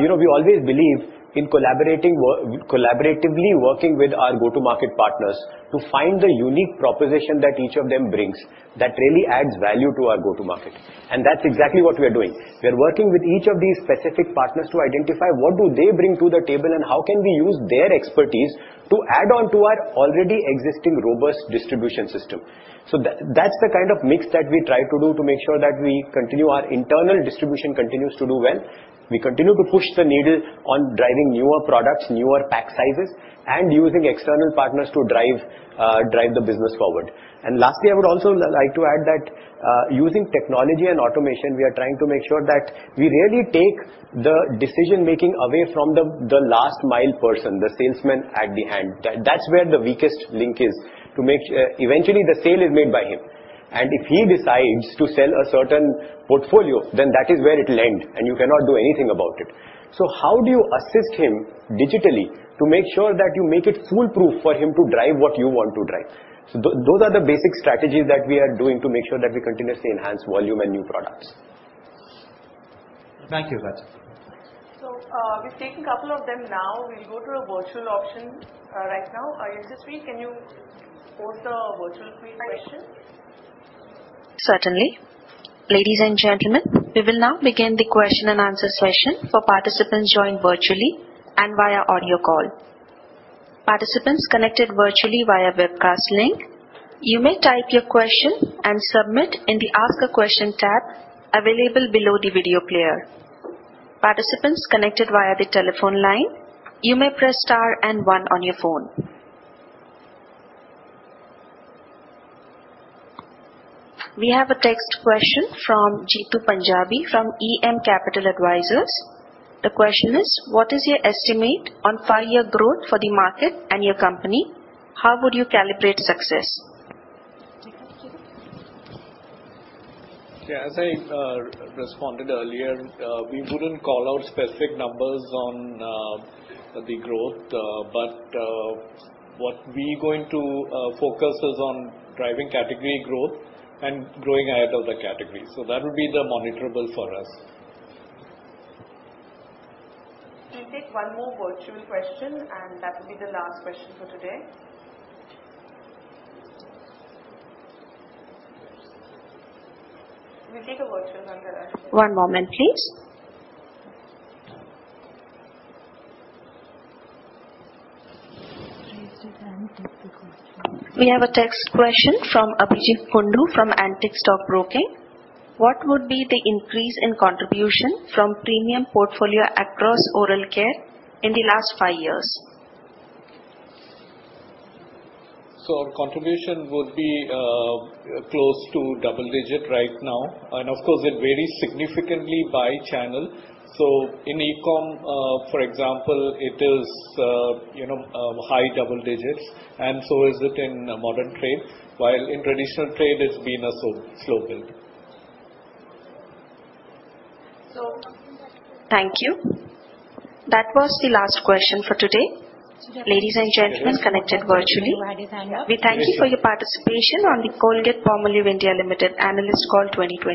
You know, we always believe in collaboratively working with our go-to-market partners to find the unique proposition that each of them brings that really adds value to our go-to-market. That's exactly what we are doing. We're working with each of these specific partners to identify what do they bring to the table and how can we use their expertise to add on to our already existing robust distribution system. That's the kind of mix that we try to do to make sure that we continue our internal distribution continues to do well. We continue to push the needle on driving newer products, newer pack sizes, and using external partners to drive the business forward. Lastly, I would also like to add that using technology and automation, we are trying to make sure that we really take the decision-making away from the last mile person, the salesman at the end. That's where the weakest link is to make. Eventually, the sale is made by him. If he decides to sell a certain portfolio, then that is where it'll end, and you cannot do anything about it. How do you assist him digitally to make sure that you make it foolproof for him to drive what you want to drive? Those are the basic strategies that we are doing to make sure that we continuously enhance volume and new products. Thank you, Ruchir. We've taken a couple of them now. We'll go to a virtual option, right now. Yashaswi, can you pose the virtual queue question? Certainly. Ladies and gentlemen, we will now begin the question and answer session for participants joined virtually and via audio call. Participants connected virtually via webcast link, you may type your question and submit in the Ask a Question tab available below the video player. Participants connected via the telephone line, you may press star and one on your phone. We have a text question from Jeetu Panjabi from EM Capital Advisors. The question is: What is your estimate on five-year growth for the market and your company? How would you calibrate success? Yeah. As I responded earlier, we wouldn't call out specific numbers on the growth, but what we're going to focus is on driving category growth and growing ahead of the category. That would be the monitorable for us. We'll take one more virtual question, and that will be the last question for today. We'll take a virtual one, Yashaswi. One moment, please. We have a text question from Abhijeet Kundu from Antique Stock Broking: What would be the increase in contribution from premium portfolio across oral care in the last five years? Contribution would be close to double digit right now, and of course, it varies significantly by channel. In eCom, for example, it is, you know, high double digits, and so is it in modern trade. While in traditional trade, it's been a slow build. Thank you. That was the last question for today. Ladies and gentlemen connected virtually, we thank you for your participation on the Colgate-Palmolive India Limited analyst call 2023.